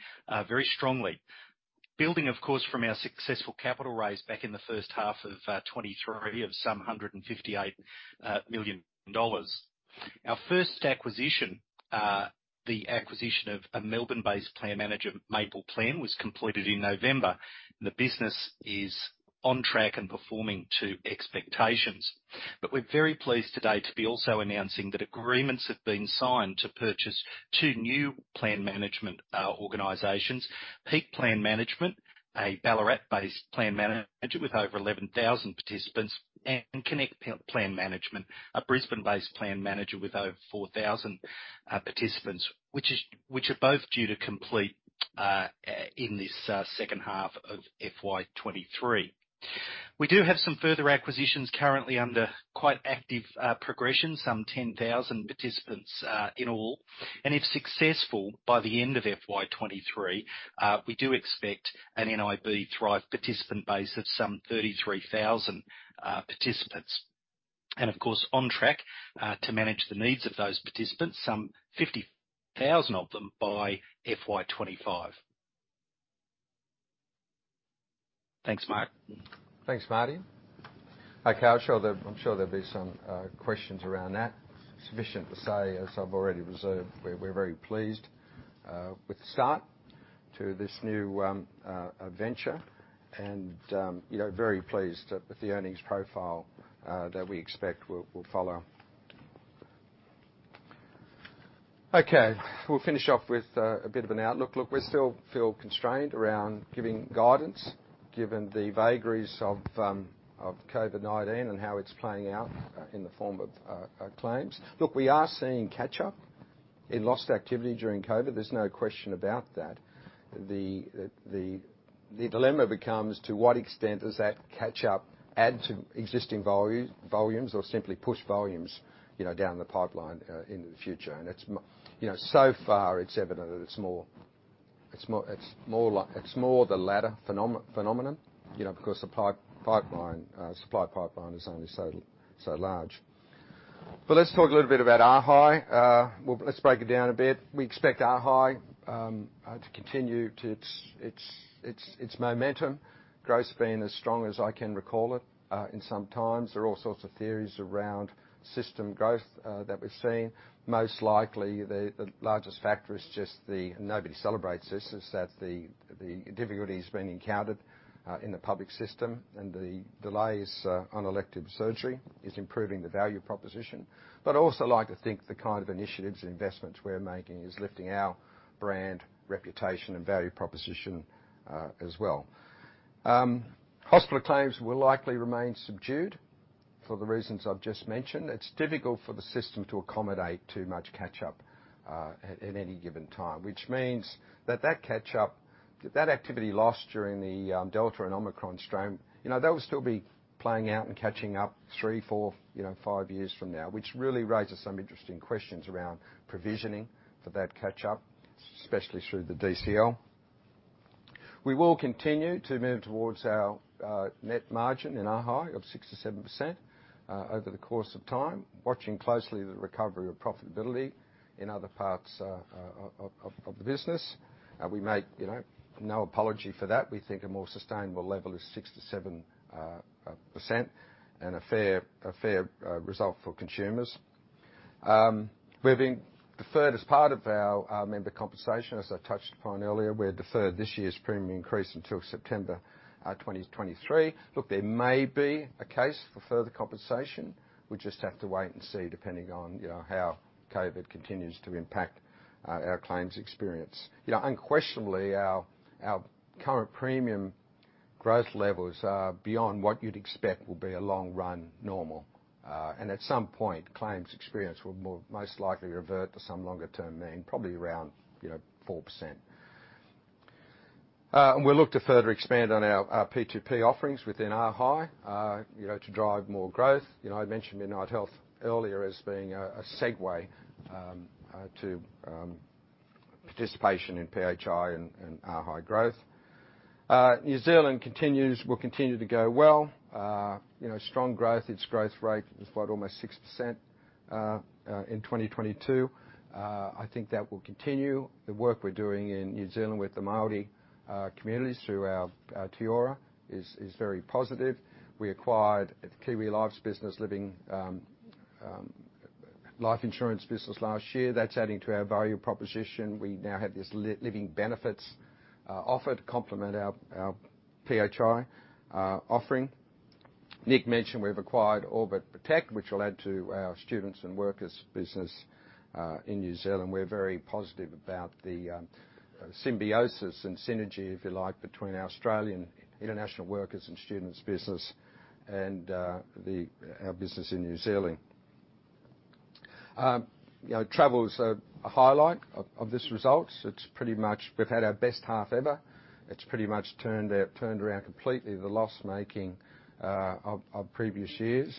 very strongly. Building, of course, from our successful capital raise back in the first half of 2023 of some 158 million dollars. Our first acquisition, the acquisition of a Melbourne-based plan manager, Maple Plan, was completed in November. The business is on track and performing to expectations. We're very pleased today to be also announcing that agreements have been signed to purchase two new plan management organizations. Peak Plan Management, a Ballarat-based plan manager with over 11,000 participants, and Connect Plan Management, a Brisbane-based plan manager with over 4,000 participants, which are both due to complete in this second half of FY 2023. We do have some further acquisitions currently under quite active progression, some 10,000 participants in all. If successful, by the end of FY 2023, we do expect a nib Thrive participant base of some 33,000 participants. Of course, on track to manage the needs of those participants, some 50,000 of them by FY 2025. Thanks, Mark. Thanks, Marty. Okay. I'm sure there'll be some questions around that. Sufficient to say, as I've already reserved, we're very pleased with the start to this new venture, and, you know, very pleased with the earnings profile that we expect will follow. Okay, we'll finish off with a bit of an outlook. Look, we still feel constrained around giving guidance given the vagaries of COVID-19 and how it's playing out in the form of claims. Look, we are seeing catch-up in lost activity during COVID. There's no question about that. The dilemma becomes to what extent does that catch up, add to existing volumes or simply push volumes, you know, down the pipeline in the future. It's, you know, so far it's evident that it's more the latter phenomenon, you know, because the pipeline, supply pipeline is only so large. Let's talk a little bit about arhi. Well, let's break it down a bit. We expect arhi to continue its momentum. Growth's been as strong as I can recall it in some times. There are all sorts of theories around system growth that we're seeing. Most likely, the largest factor is just the, nobody celebrates this, is that the difficulties being encountered in the public system and the delays on elective surgery is improving the value proposition. I also like to think the kind of initiatives and investments we're making is lifting our brand, reputation, and value proposition as well. Hospital claims will likely remain subdued for the reasons I've just mentioned. It's difficult for the system to accommodate too much catch-up at any given time, which means that catch-up, that activity lost during the Delta and Omicron strain, you know, that will still be playing out and catching up three, four, you know, five years from now, which really raises some interesting questions around provisioning for that catch-up, especially through the DCL. We will continue to move towards our net margin in arhi of 6%-7% over the course of time, watching closely the recovery of profitability in other parts of the business. We make, you know, no apology for that. We think a more sustainable level is 6%-7% and a fair result for consumers. We've deferred as part of our member compensation, as I touched upon earlier. We've deferred this year's premium increase until September 2023. There may be a case for further compensation. We just have to wait and see, depending on, you know, how COVID continues to impact our claims experience. You know, unquestionably, our current premium growth levels are beyond what you'd expect will be a long run normal. At some point, claims experience will most likely revert to some longer term mean, probably around, you know, 4%. We look to further expand on our P2P offerings within arhi, you know, to drive more growth. You know, I mentioned Midnight Health earlier as being a segue to participation in PHI and arhi growth. New Zealand will continue to go well. You know, strong growth. Its growth rate is about almost 6% in 2022. I think that will continue. The work we're doing in New Zealand with the Māori communities through our Toi Ora is very positive. We acquired Kiwi Insurance Limited's life insurance business last year, that's adding to our value proposition. We now have this living benefits offered to complement our PHI offering. Nick mentioned we've acquired OrbitProtect, which will add to our students and workers business in New Zealand. We're very positive about the symbiosis and synergy, if you like, between our Australian international workers and students business and our business in New Zealand. You know, travel is a highlight of this result. It's pretty much we've had our best half ever. It's pretty much turned out, turned around completely the loss making of previous years.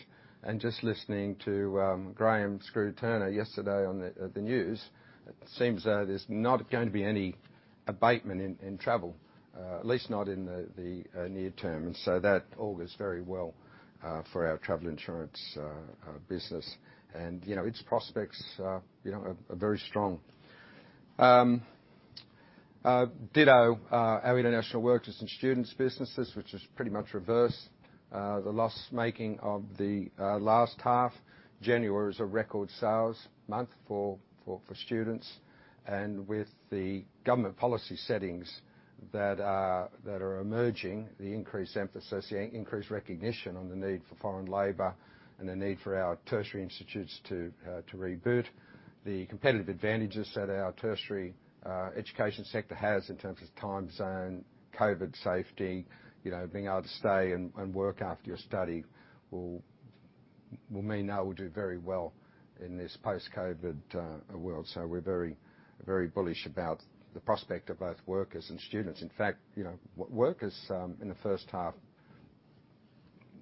Just listening to Graham 'Skroo' Turner yesterday on the news, it seems there's not going to be any abatement in travel at least not in the near term. That augurs very well for our travel insurance business and, you know, its prospects are, you know, are very strong. [Ditto] our international workers and students businesses, which has pretty much reversed the loss making of the last half. January was a record sales month for students. With the government policy settings that are emerging, the increased emphasis, the increased recognition on the need for foreign labor and the need for our tertiary institutes to reboot, the competitive advantages that our tertiary education sector has in terms of time zone, COVID safety, you know, being able to stay and work after your study will mean that we'll do very well in this post-COVID world. We're very, very bullish about the prospect of both workers and students. In fact, you know, workers in the first half,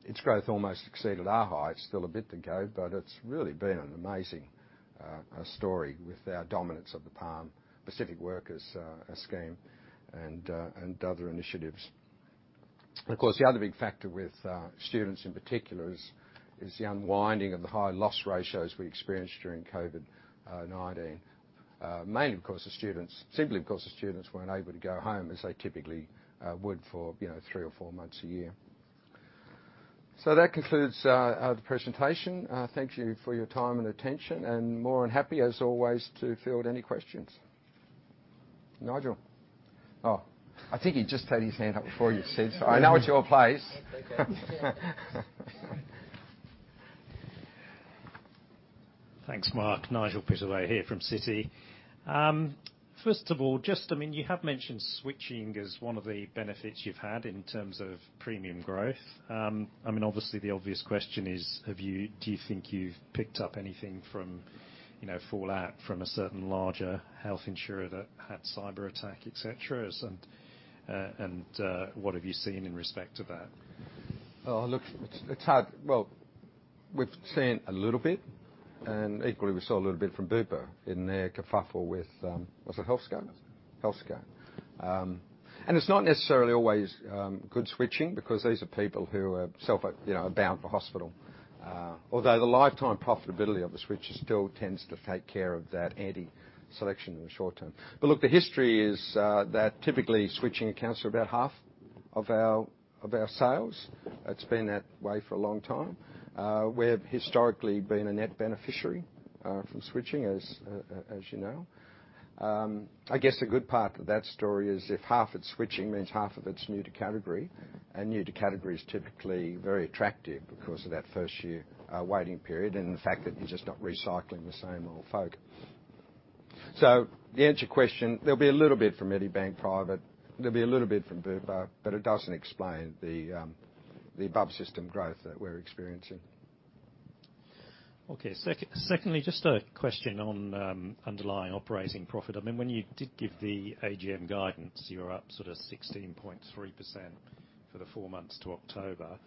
its growth almost exceeded our highs, still a bit to go, but it's really been an amazing story with our dominance of the PALM Pacific Workers scheme and other initiatives. Of course, the other big factor with students in particular is the unwinding of the high loss ratios we experienced during COVID-19. Mainly because the students weren't able to go home as they typically would for, you know, three or four months a year. That concludes our presentation. Thank you for your time and attention, and more than happy, as always, to field any questions. Nigel? I think he just had his hand up before you, Sid. I know it's your place. Thanks, Mark. Nigel Pittaway here from Citi. First of all, just, I mean, you have mentioned switching as one of the benefits you've had in terms of premium growth. I mean, obviously the obvious question is, do you think you've picked up anything from, you know, fallout from a certain larger health insurer that had cyber attack, et cetera? What have you seen in respect to that? Oh, look, it's hard. Well, we've seen a little bit, and equally we saw a little bit from Bupa in their kerfuffle with, was it Healthscope? Healthscope. It's not necessarily always good switching because these are people who are self, you know, bound for hospital. Although the lifetime profitability of the switcher still tends to take care of that anti-selection in the short-term. Look, the history is that typically switching accounts for about half of our, of our sales. It's been that way for a long time. We've historically been a net beneficiary from switching as you know. I guess the good part of that story is if half its switching means half of it's new to category, and new to category is typically very attractive because of that first year, waiting period, and the fact that you're just not recycling the same old folk. To answer your question, there'll be a little bit from Medibank Private, there'll be a little bit from Bupa, but it doesn't explain the above system growth that we're experiencing. Okay. Secondly, just a question on underlying operating profit. I mean, when you did give the AGM guidance, you were up sort of 16.3% for the four months to October.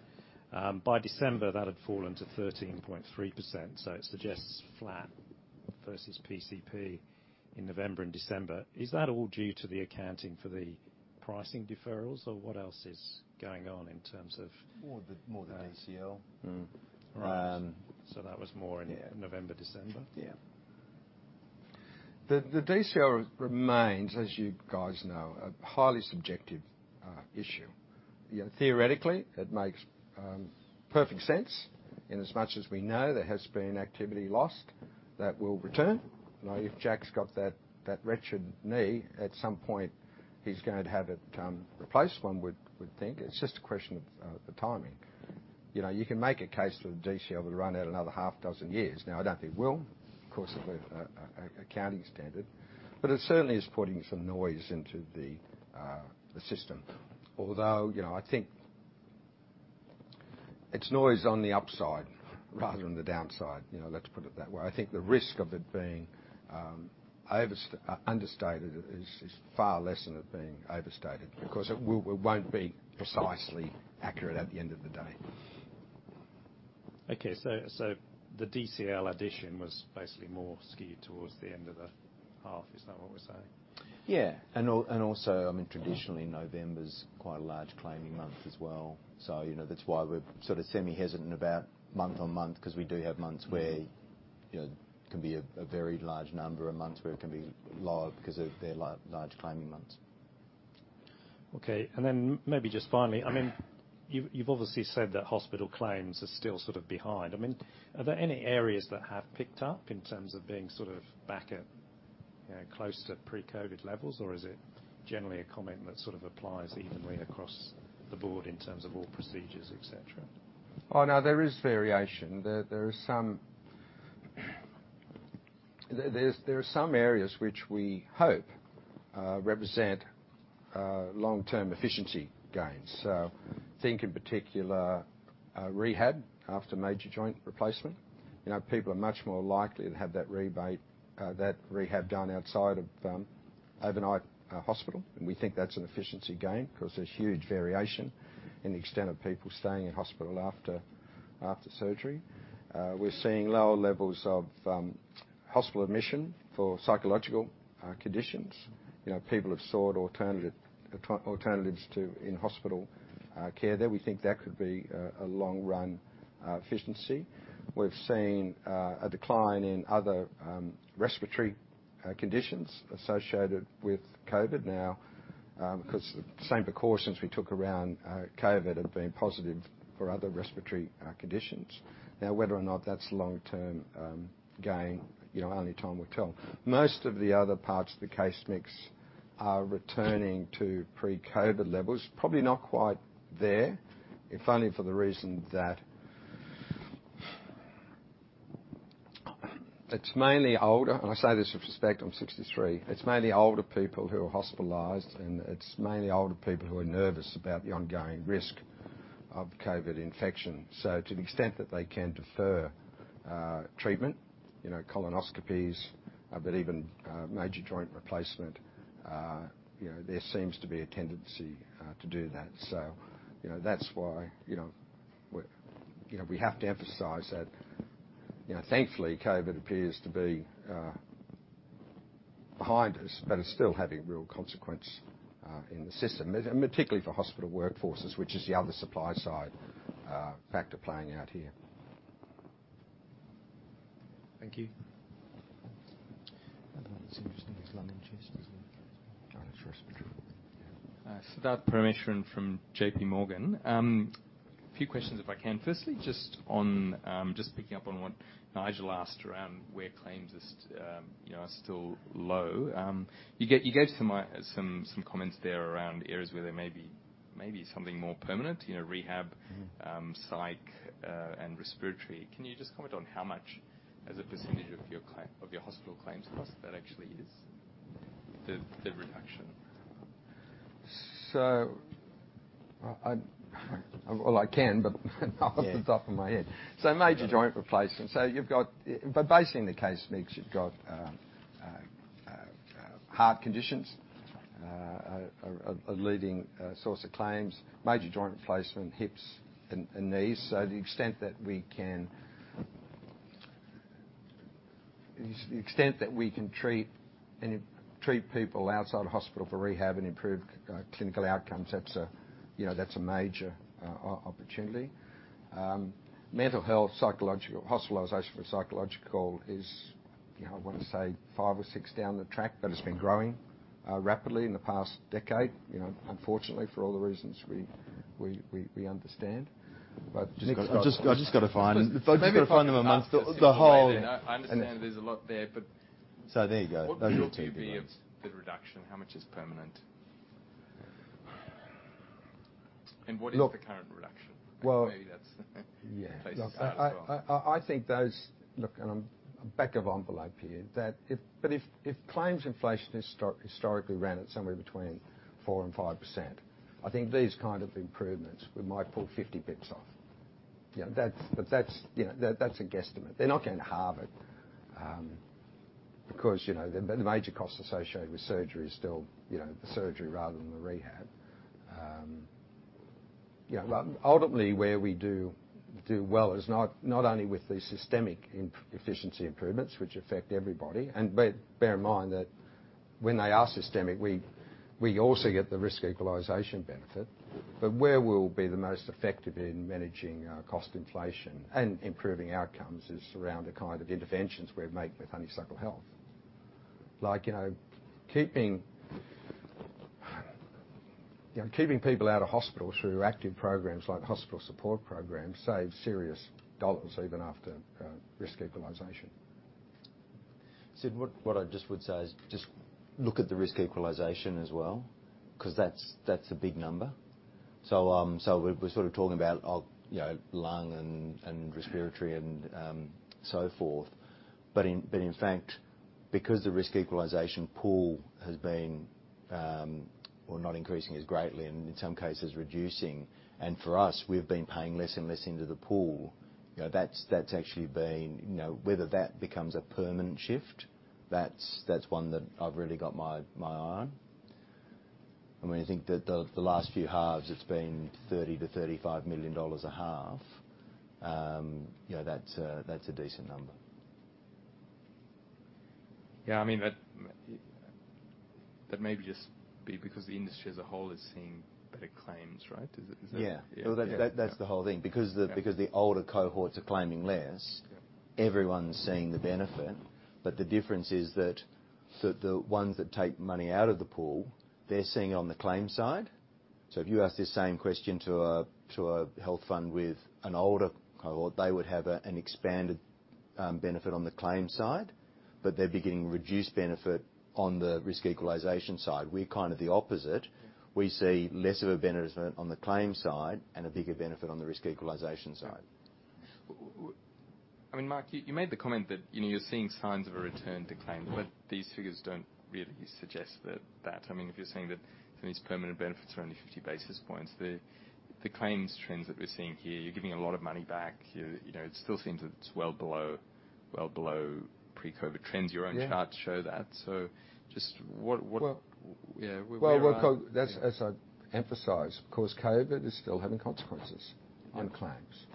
By December, that had fallen to 13.3%. It suggests flat versus PCP in November and December. Is that all due to the accounting for the pricing deferrals, or what else is going on in terms of- More the DCL. Mm-hmm. Right. Um- That was more in November, December? Yeah. The DCL remains, as you guys know, a highly subjective issue. You know, theoretically, it makes perfect sense in as much as we know there has been activity lost that will return. Now, if Jack's got that wretched knee, at some point he's going to have it replaced one would think. It's just a question of the timing. You know, you can make a case that the DCL will run out another half dozen years. Now, I don't think it will. Of course, it'll be a accounting standard, but it certainly is putting some noise into the system. Although, you know, I think it's noise on the upside rather than the downside. You know, let's put it that way. I think the risk of it being understated is far less than it being overstated because it won't be precisely accurate at the end of the day. Okay. The DCL addition was basically more skewed towards the end of the half. Is that what we're saying? Yeah. I mean, traditionally November's quite a large claiming month as well. you know, that's why we're sort of semi-hesitant about month-on-month, because we do have months where, you know, it can be a very large number of months where it can be lower because of their large claiming months. Okay. Maybe just finally, I mean, you've obviously said that hospital claims are still sort of behind. I mean, are there any areas that have picked up in terms of being sort of back at, you know, close to pre-COVID levels? Or is it generally a comment that sort of applies evenly across the board in terms of all procedures, et cetera? Oh, no, there is variation. There are some areas which we hope represent long-term efficiency gains. Think in particular, rehab after major joint replacement. You know, people are much more likely to have that rebate, that rehab done outside of overnight hospital, and we think that's an efficiency gain because there's huge variation in the extent of people staying in hospital after surgery. We're seeing lower levels of hospital admission for psychological conditions. You know, people have sought alternatives to in-hospital care there. We think that could be a long run efficiency. We've seen a decline in other respiratory conditions associated with COVID now, because same precautions we took around COVID have been positive for other respiratory conditions. Whether or not that's long-term gain, you know, only time will tell. Most of the other parts of the case mix are returning to pre-COVID levels. Probably not quite there. If only for the reason that it's mainly older, and I say this with respect, I'm 63, it's mainly older people who are hospitalized, and it's mainly older people who are nervous about the ongoing risk of COVID infection. To the extent that they can defer treatment, you know, colonoscopies, but even major joint replacement, you know, there seems to be a tendency to do that. You know, that's why, you know, we're... You know, we have to emphasize that, you know, thankfully, COVID appears to be behind us, but it's still having real consequence in the system, and particularly for hospital workforces, which is the other supply side factor playing out here. Thank you. Siddharth Parameswaran from JPMorgan. A few questions if I can. Firstly, just on, just picking up on what Nigel asked around where claims are, you know, still low. You gave some comments there around areas where there may be something more permanent, you know, rehab, psych, and respiratory. Can you just comment on how much as a percentage of your hospital claims cost that actually is? The reduction. I, well, I can, but not off the top of my head. Major joint replacement. You've got basically in the case mix, you've got heart conditions are a leading source of claims, major joint replacement, hips and knees. The extent that we can treat people outside of hospital for rehab and improve clinical outcomes, that's a, you know, that's a major opportunity. Mental health, hospitalization for psychological is, you know, I want to say 5 or 6 down the track, it's been growing rapidly in the past decade, you know, unfortunately, for all the reasons we understand. Nick's got- I've just gotta find... I've just gotta find them amongst the... Maybe if I can ask a simpler way then. I understand there's a lot there. There you go. Those are the two big ones. What would you view the reduction? How much is permanent? What is the current reduction? Maybe that's in place as well. Yeah. Look, I think those. Look, I'm back-of-envelope here. That if claims inflation historically ran at somewhere between 4% and 5%, I think these kind of improvements, we might pull 50 bits off. You know, that's. That's, you know, that's a guesstimate. They're not gonna halve it, because, you know, the major cost associated with surgery is still, you know, the surgery rather than the rehab. You know, ultimately, where we do well is not only with the systemic inefficiency improvements, which affect everybody. Bear in mind that when they are systemic, we also get the risk equalization benefit. Where we'll be the most effective in managing cost inflation and improving outcomes is around the kind of interventions we're making with Honeysuckle Health. Like, you know, keeping. You know, keeping people out of hospital through active programs like hospital support programs saves serious dollars even after risk equalization. Sid, what I just would say is just look at the risk equalization as well, 'cause that's a big number. We're, we're sort of talking about, you know, lung and respiratory and, so forth. In fact, because the risk equalization pool has been, well, not increasing as greatly and in some cases reducing. For us, we've been paying less and less into the pool. You know, that's actually been. You know, whether that becomes a permanent shift, that's one that I've really got my eye on. I mean, I think that the last few halves it's been 30 million-35 million dollars a half. You know, that's a, that's a decent number. Yeah. I mean, that may just be because the industry as a whole is seeing better claims, right? Is it... Well, that's the whole thing. Because the older cohorts are claiming less, everyone's seeing the benefit. The difference is that the ones that take money out of the pool, they're seeing it on the claims side. If you ask the same question to a health fund with an older cohort, they would have an expanded benefit on the claims side, but they'd be getting reduced benefit on the risk equalization side. We're kind of the opposite. We see less of a benefit on the claims side and a bigger benefit on the risk equalization side. I mean, Mark, you made the comment that, you know, you're seeing signs of a return to claims, but these figures don't really suggest that. I mean, if you're saying that these permanent benefits are only 50 basis points, the claims trends that we're seeing here, you're giving a lot of money back. You know, it still seems it's well below pre-COVID trends. Your own charts show that. Just what. Yeah. Where we are. Well, That's as I emphasize, of course, COVID is still having consequences on claims.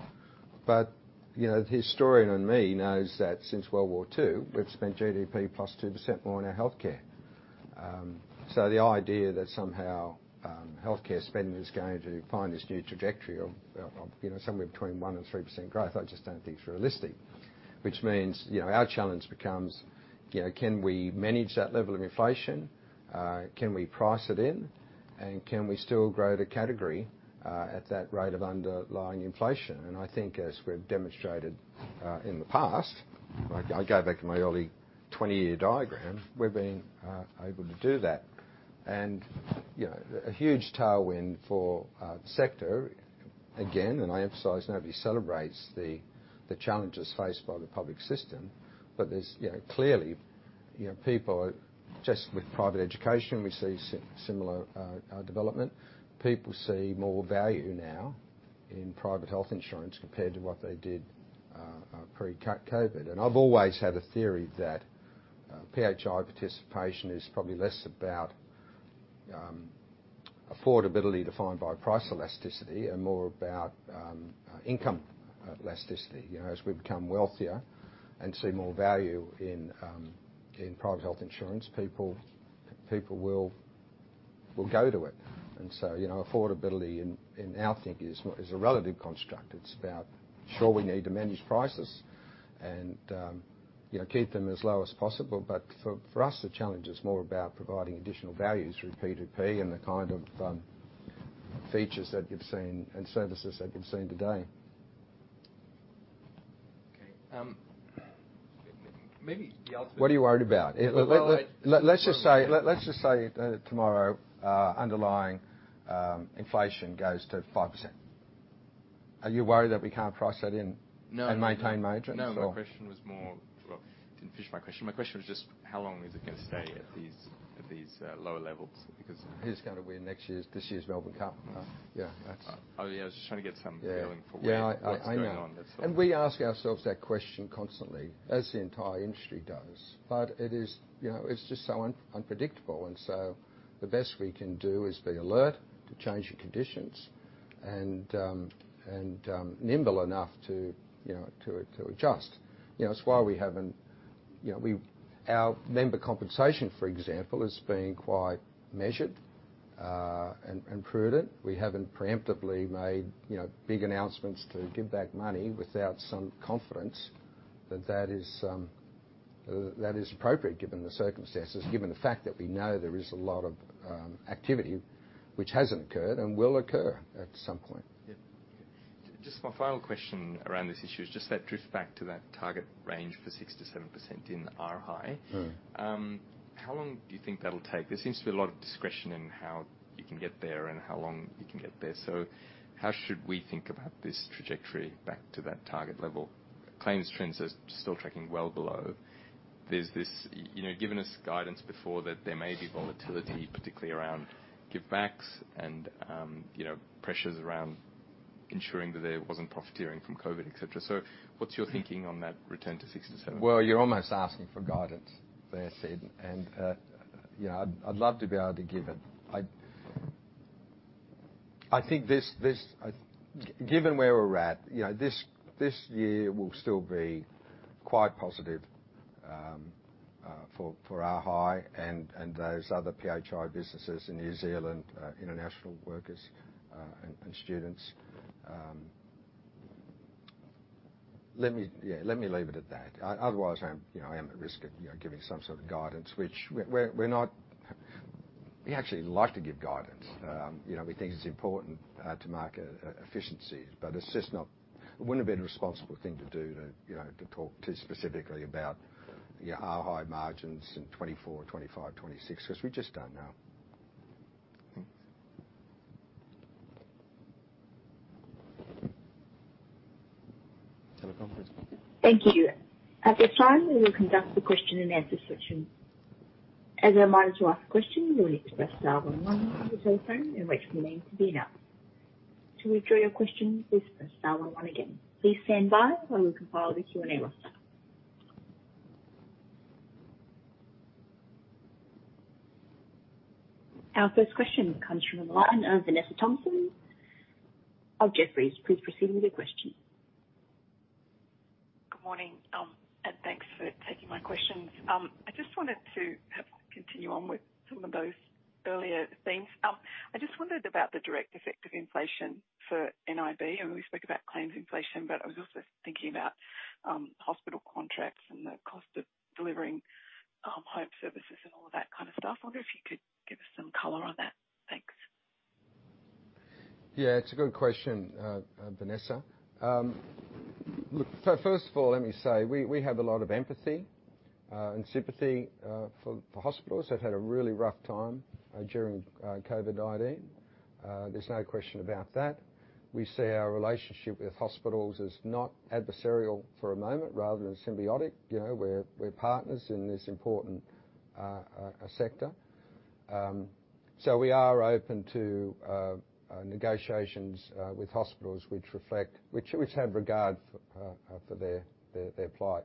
You know, the historian in me knows that since World War II, we've spent GDP plus 2% more on our healthcare. The idea that somehow, healthcare spending is going to find this new trajectory of, you know, somewhere between 1% and 3% growth, I just don't think it's realistic. Means, you know, our challenge becomes, you know, can we manage that level of inflation? Can we price it in? Can we still grow the category, at that rate of underlying inflation? I think as we've demonstrated, in the past, I go back to my early 20-year diagram. We've been able to do that. You know, a huge tailwind for our sector, again, I emphasize, nobody celebrates the challenges faced by the public system, but there's, you know, clearly, you know, just with private education, we see similar development. People see more value now in private health insurance compared to what they did pre-COVID. I've always had a theory that PHI participation is probably less about affordability defined by price elasticity and more about income elasticity. You know, as we become wealthier and see more value in private health insurance, people will go to it. You know, affordability in our thinking is a relative construct. It's about sure we need to manage prices and, you know, keep them as low as possible. For us, the challenge is more about providing additional value through P2P and the kind of features that you've seen and services that you've seen today. Okay. What are you worried about? Let's just say that tomorrow, underlying, inflation goes to 5%. Are you worried that we can't price that in maintain margins or? My question was more. Didn't finish my question. My question was just how long is it gonna stay at these lower levels? Who's gonna win next year's, this year's Melbourne Cup? Oh. Yeah, that's- Oh, yeah. I was just trying to get some feeling. Yeah. what's going on? That's all. Yeah, I know. We ask ourselves that question constantly, as the entire industry does. It is, you know, it's just so unpredictable, and so the best we can do is be alert to changing conditions and nimble enough to, you know, to adjust. You know, it's why we haven't. You know, our member compensation, for example, has been quite measured and prudent. We haven't preemptively made, you know, big announcements to give back money without some confidence that that is appropriate given the circumstances, given the fact that we know there is a lot of activity which hasn't occurred and will occur at some point. Yeah. Just my final question around this issue is just that drift back to that target range for 6%-7% in arhi. How long do you think that'll take? There seems to be a lot of discretion in how you can get there and how long you can get there. How should we think about this trajectory back to that target level? Claims trends are still tracking well below. Giving us guidance before that there may be volatility, particularly around give backs and pressures around ensuring that there wasn't profiteering from COVID-19. What's your thinking on that return to 6%-7%? Well, you're almost asking for guidance there, Sid. you know, I'd love to be able to give it. I think this year will still be quite positive for arhi and those other PHI businesses in New Zealand, international workers, and students. Let me leave it at that. Otherwise, I'm, you know, I am at risk of, you know, giving some sort of guidance, which we're not. We actually like to give guidance. you know, we think it's important to market efficiencies, but it's just not. It wouldn't have been a responsible thing to do to, you know, to talk too specifically about, you know, arhi margins in 2024, 2025, 2026, 'cause we just don't know. Thanks. Thank you. At this time, we will conduct the question-and-answer session. As a reminder, to ask a question, you will need to press star one one on your telephone and wait for your name to be announced. To withdraw your question, please press star one one again. Please stand by while we compile the Q&A roster. Our first question comes from the line of Vanessa Thomson of Jefferies. Please proceed with your question. Good morning. Thanks for taking my questions. I just wanted to perhaps continue on with some of those earlier themes. I just wondered about the direct effect of inflation for nib. I mean, we spoke about claims inflation, but I was also thinking about hospital contracts and the cost of delivering home services and all that kind of stuff. I wonder if you could give us some color on that. Thanks. Yeah, it's a good question, Vanessa. Look, first of all, let me say we have a lot of empathy and sympathy for hospitals. They've had a really rough time during COVID-19. There's no question about that. We see our relationship with hospitals as not adversarial for a moment rather than symbiotic. You know, we're partners in this important sector. We are open to negotiations with hospitals which have regard for their plight.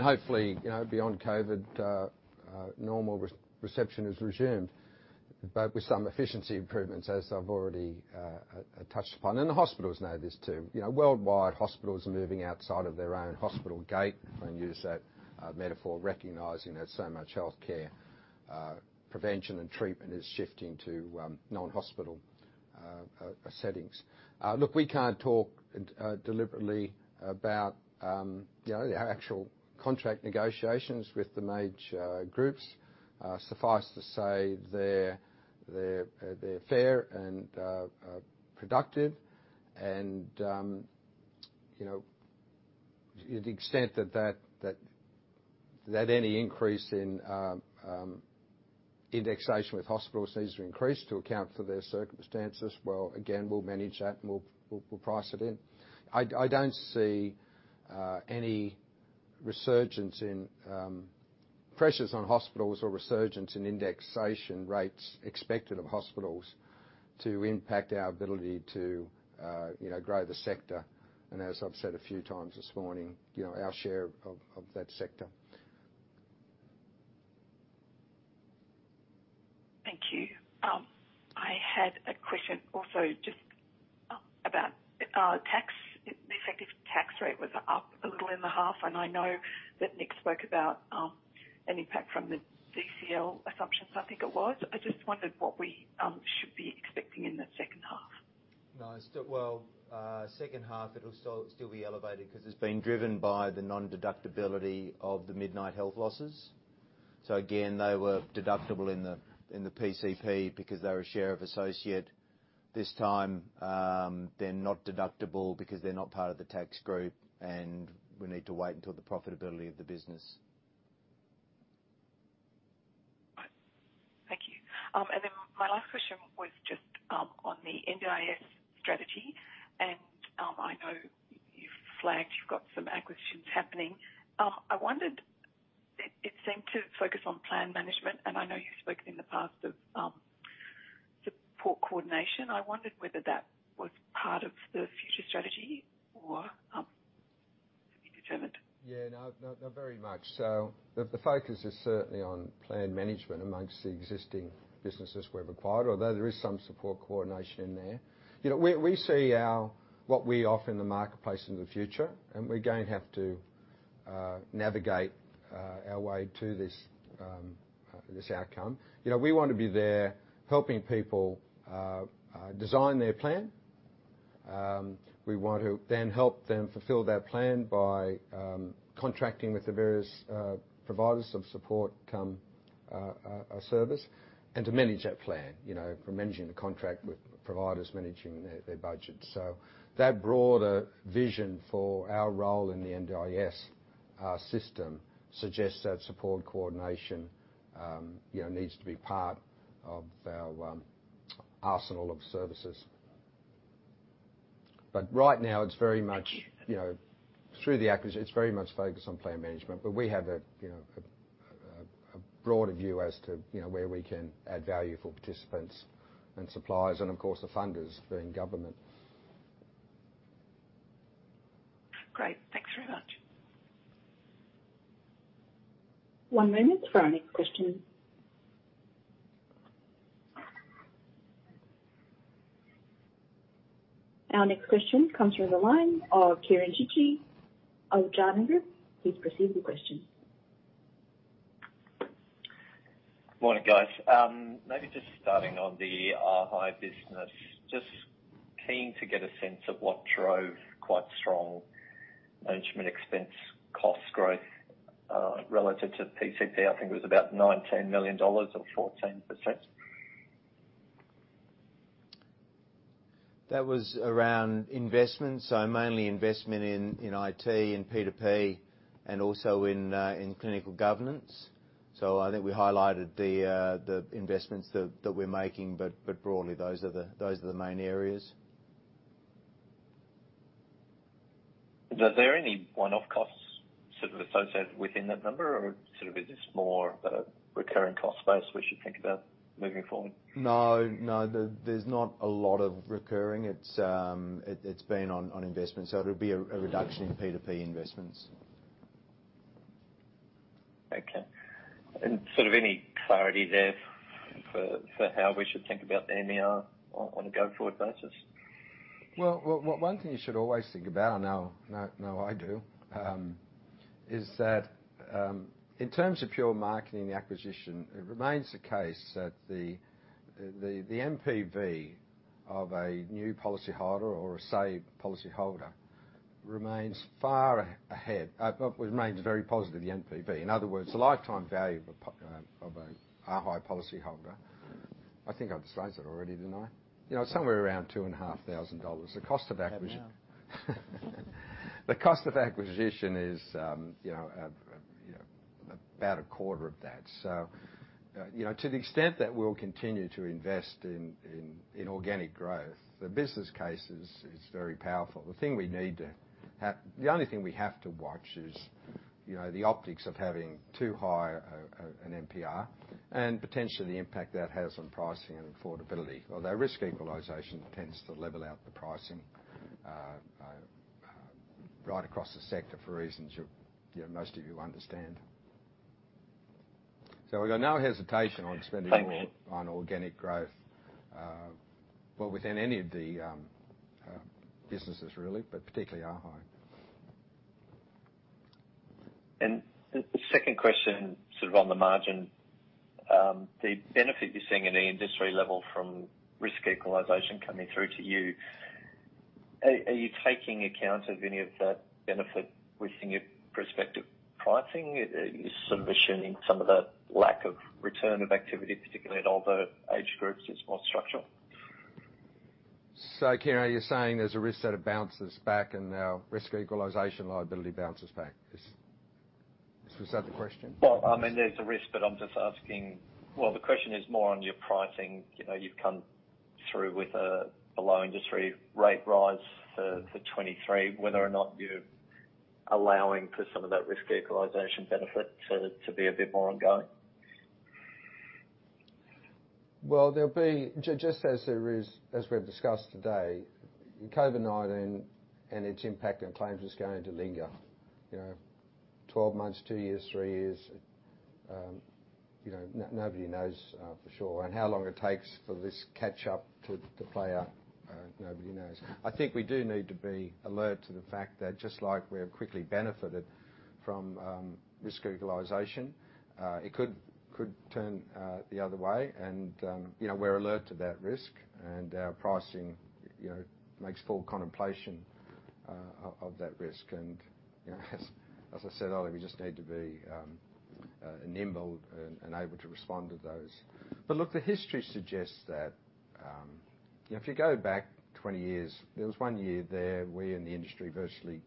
Hopefully, you know, beyond COVID, normal reception is resumed, but with some efficiency improvements, as I've already touched upon. The hospitals know this too. You know, worldwide, hospitals are moving outside of their own hospital gate, if I can use that metaphor, recognizing that so much healthcare prevention and treatment is shifting to non-hospital settings. Look, we can't talk deliberately about, you know, the actual contract negotiations with the major groups. Suffice to say they're fair and productive and, you know, to the extent that any increase in indexation with hospitals needs to increase to account for their circumstances, well, again, we'll manage that and we'll price it in. I don't see any resurgence in pressures on hospitals or resurgence in indexation rates expected of hospitals to impact our ability to, you know, grow the sector, and as I've said a few times this morning, you know, our share of that sector. Thank you. I had a question also just about tax. The effective tax rate was up a little in the half. I know that Nick spoke about an impact from the DCL assumptions, I think it was. I just wondered what we should be expecting in the second half. No. Well, second half it'll still be elevated 'cause it's been driven by the non-deductibility of the Midnight Health losses. Again, they were deductible in the PCP because they're a share of associate. This time, they're not deductible because they're not part of the tax group, and we need to wait until the profitability of the business. Thank you. My last question was just on the NDIS strategy. I know you've flagged you've got some acquisitions happening. I wondered, it seemed to focus on plan management, and I know you've spoken in the past of support coordination. I wondered whether that was part of the future strategy or to be determined. Yeah. No, no, not very much so. The focus is certainly on plan management amongst the existing businesses we've acquired, although there is some support coordination in there. You know, we see what we offer in the marketplace in the future, and we're going to have to navigate our way to this outcome. You know, we want to be there helping people design their plan. We want to then help them fulfill that plan by contracting with the various providers of support service and to manage that plan. You know, from managing the contract with providers, managing their budget. That broader vision for our role in the NDIS system suggests that support coordination, you know, needs to be part of our arsenal of services. Right now, it's very much, you know, it's very much focused on plan management, but we have a, you know, a broader view as to, you know, where we can add value for participants and suppliers and of course the funders being government. Great. Thanks very much. One moment for our next question. Our next question comes from the line of Kieren Chidgey of Jarden. Please proceed with your question. Morning, guys. Maybe just starting on the arhi business. Just keen to get a sense of what drove quite strong management expense cost growth, relative to PCP. I think it was about $19 million or 14%. That was around investment, mainly investment in IT and P2P and also in clinical governance. I think we highlighted the investments that we're making, but broadly those are the main areas. Were there any one-off costs sort of associated within that number? Sort of is this more of a recurring cost base we should think about moving forward? No, no, there's not a lot of recurring. It's been on investment, so it'll be a reduction in P2P investments. Okay. Sort of any clarity there for how we should think about NPR on a go-forward basis? Well, one thing you should always think about, I know I do, is that in terms of pure marketing acquisition, it remains the case that the MPV of a new policyholder or a saved policyholder remains far ahead. Remains very positive, the MPV. In other words, the lifetime value of a, our policyholder. I think I've said that already, didn't I? You know, somewhere around 2,500 dollars. The cost of acquisition- The cost of acquisition is about 1/4 of that. To the extent that we'll continue to invest in organic growth, the business case is very powerful. The only thing we have to watch is the optics of having too high an NPR, and potentially the impact that has on pricing and affordability. Although risk equalization tends to level out the pricing right across the sector for reasons you know, most of you understand. We've got no hesitation on spending more-on organic growth, but within any of the businesses really, but particularly arhi. The second question, sort of on the margin, the benefit you're seeing at the industry level from risk equalization coming through to you, are you taking account of any of that benefit within your prospective pricing? Are you sort of assuming some of the lack of return of activity, particularly in older age groups, is more structural? Kieren, are you saying there's a risk that it bounces back and now risk equalization liability bounces back? Is that the question? Well, I mean, there's a risk, but I'm just asking. Well, the question is more on your pricing. You know, you've come through with a low industry rate rise for 2023, whether or not you're allowing for some of that risk equalization benefit to be a bit more ongoing. There'll be just as there is, as we've discussed today, COVID-19 and its impact on claims is going to linger, you know. 12 months, two years, three years, you know, nobody knows for sure. How long it takes for this catch up to play out, nobody knows. I think we do need to be alert to the fact that just like we have quickly benefited from risk equalization, it could turn the other way and, you know, we're alert to that risk and our pricing, you know, makes full contemplation of that risk. You know, as I said earlier, we just need to be nimble and able to respond to those. Look, the history suggests that, if you go back 20 years, there was one year there we in the industry virtually.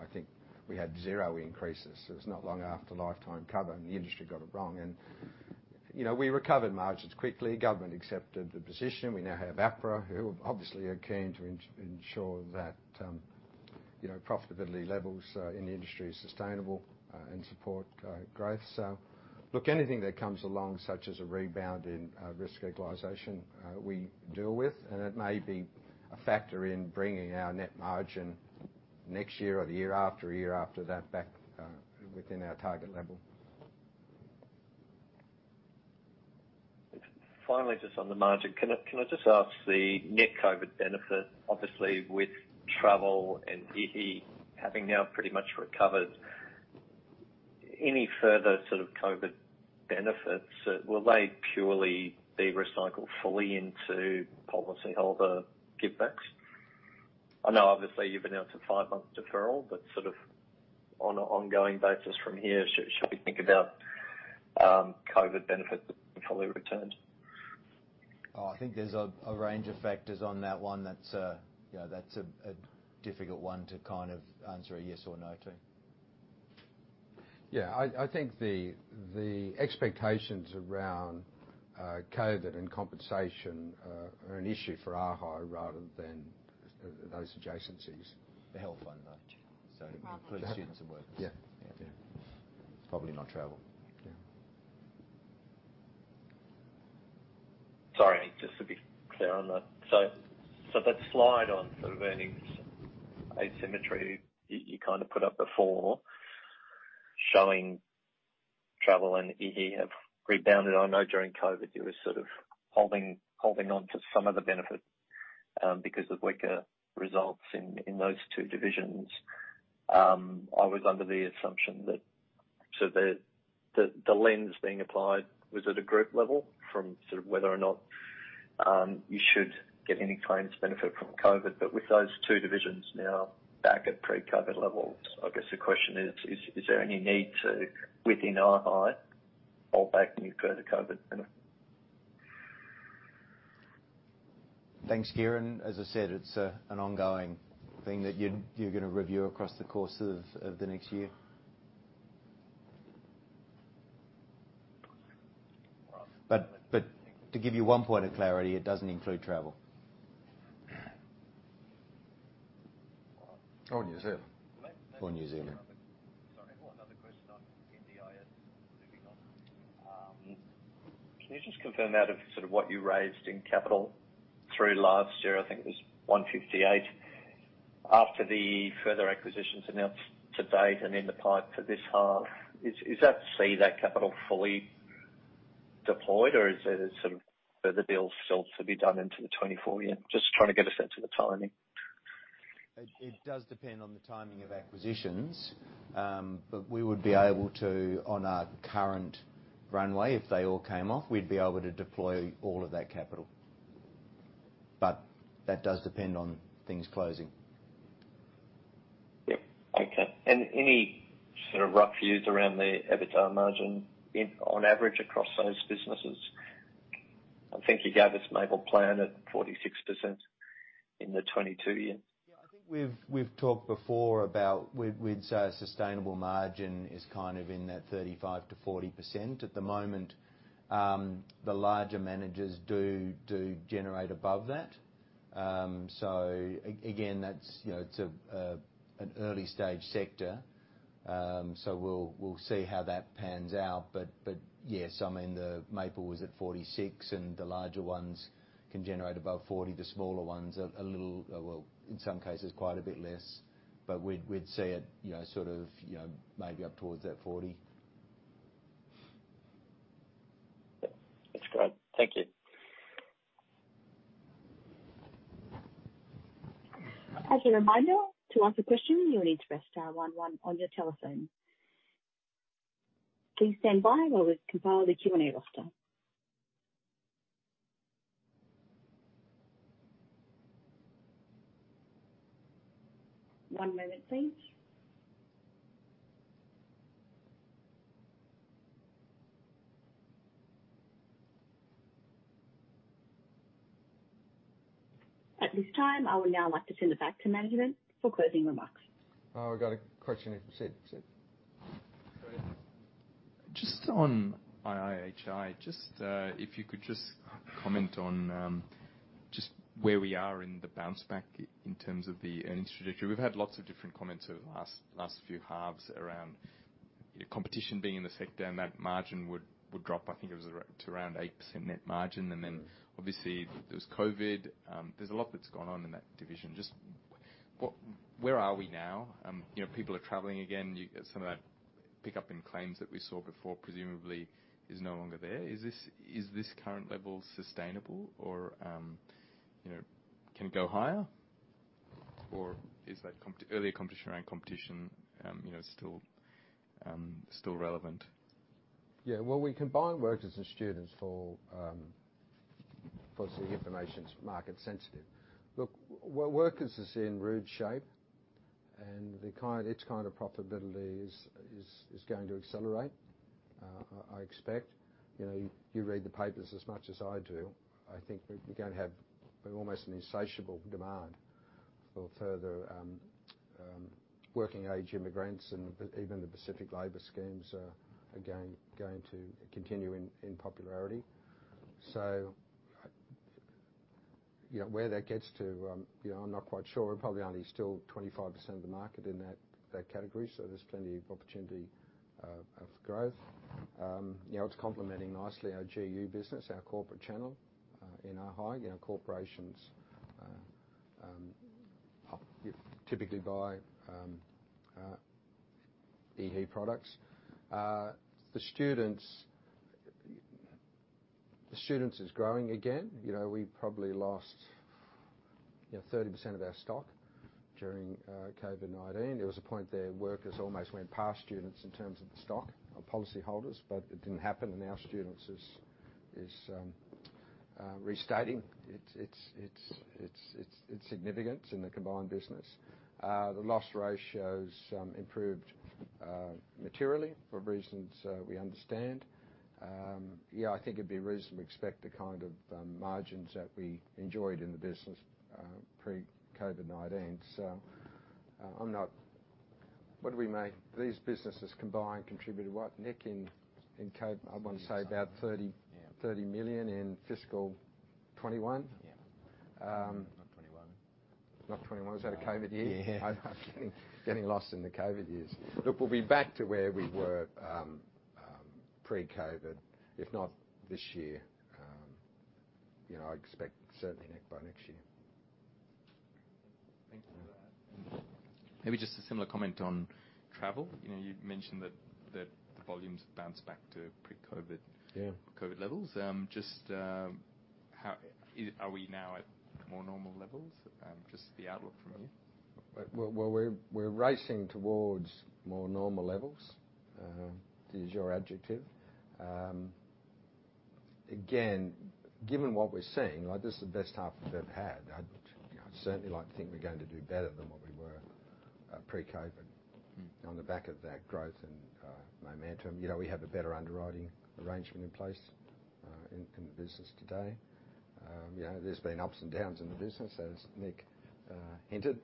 I think we had zero increases. It was not long after lifetime cover. The industry got it wrong. You know, we recovered margins quickly. Government accepted the position. We now have APRA, who obviously are keen to ensure that, you know, profitability levels in the industry is sustainable and support growth. Look, anything that comes along such as a rebound in risk equalization, we deal with, and it may be a factor in bringing our net margin next year or the year after year after that back within our target level. Finally, just on the margin. Can I just ask the net COVID benefit, obviously with travel and iihi having now pretty much recovered, any further sort of COVID benefits, will they purely be recycled fully into policyholder givebacks? I know obviously you've announced a five-month deferral, but sort of on an ongoing basis from here, shall we think about COVID benefits fully returned? I think there's a range of factors on that one that's, you know, that's a difficult one to kind of answer a yes or no to. Yeah. I think the expectations around COVID and compensation are an issue for arhi rather than those adjacencies. The health fund though. It's probably not travel. Sorry, just to be clear on that. That slide on sort of earnings asymmetry you kinda put up before showing travel and iihi have rebounded. I know during COVID you were sort of holding on to some of the benefit because of weaker results in those two divisions. I was under the assumption that sort of the lens being applied was at a group level from sort of whether or not you should get any claims benefit from COVID. With those two divisions now back at pre-COVID levels, I guess the question is there any need to, within arhi, hold back any further COVID benefit? Thanks, Kieren. As I said, it's an ongoing thing that you're gonna review across the course of the next year. To give you one point of clarity, it doesn't include travel. For New Zealand. Sorry, one other question on MDI. Can you just confirm out of sort of what you raised in capital through last year, I think it was 158 million. After the further acquisitions announced to date and in the pipe for this half, is that, say that capital fully deployed or is it sort of further deals still to be done into the 2024 year? Just trying to get a sense of the timing. It does depend on the timing of acquisitions. We would be able to on our current runway, if they all came off, we'd be able to deploy all of that capital. That does depend on things closing. Yep. Okay. Any sort of rough views around the EBITDA margin in, on average across those businesses? I think you gave us Maple Plan at 46% in the 2022 year. Yeah, I think we've talked before about we'd say a sustainable margin is kind of in that 35%-40%. At the moment, the larger managers do generate above that. Again, that's, you know, it's an early stage sector. We'll see how that pans out. Yes, I mean, the Maple was at 46%, and the larger ones can generate above 40%. The smaller ones are a little, well, in some cases, quite a bit less. We'd see it, you know, sort of, you know, maybe up towards that 40%. That's great. Thank you. As a reminder, to ask a question, you will need to press star one one on your telephone. Please stand by while we compile the Q&A roster. One moment, please. At this time, I would now like to send it back to management for closing remarks. Oh, I've got a question. It's Sid. Just on arhi, just, if you could just comment on, just where we are in the bounce back in terms of the earnings trajectory. We've had lots of different comments over the last few halves around competition being in the sector and that margin would drop. I think it was to around 8% net margin. Obviously, there's COVID. There's a lot that's gone on in that division. Just where are we now? You know, people are traveling again. You get some of that pickup in claims that we saw before presumably is no longer there. Is this current level sustainable or, you know, can go higher? Is that earlier competition around competition, you know, still relevant? Well, we combine workers and students for, obviously the information's market sensitive. Workers is in rude shape, and its kind of profitability is going to accelerate, I expect. You know, you read the papers as much as I do. I think we're going to have almost an insatiable demand for further, working age immigrants, and even the Pacific labor schemes are going to continue in popularity. You know, where that gets to, you know, I'm not quite sure. We're probably only still 25% of the market in that category, so there's plenty of opportunity of growth. You know, it's complementing nicely our GU business, our corporate channel, in arhi. You know, corporations typically buy iihi products. The students is growing again. You know, we probably lost, you know, 30% of our stock during COVID-19. There was a point there workers almost went past students in terms of the stock of policy holders, it didn't happen, and now students is restating its significance in the combined business. The loss ratios improved materially for reasons we understand. Yeah, I think it'd be reasonable to expect the kind of margins that we enjoyed in the business pre-COVID-19. What do we make these businesses combined contributed what, Nick, in COVID? I wanna say about Yeah. 30 million in fiscal 2021. Not 2021. Not 2021. Is that a COVID year? I'm getting lost in the COVID years. We'll be back to where we were pre-COVID, if not this year. You know, I expect certainly by next year. Thank you for that. Maybe just a similar comment on travel. You know, you'd mentioned that the volumes bounced back to pre-COVID levels. Are we now at more normal levels? Just the outlook from you? We're racing towards more normal levels, to use your adjective. Again, given what we're seeing, like this is the best half we've ever had. I'd certainly like to think we're going to do better than what we were, pre-COVID. On the back of that growth and momentum. You know, we have a better underwriting arrangement in place in the business today. You know, there's been ups and downs in the business, as Nick hinted.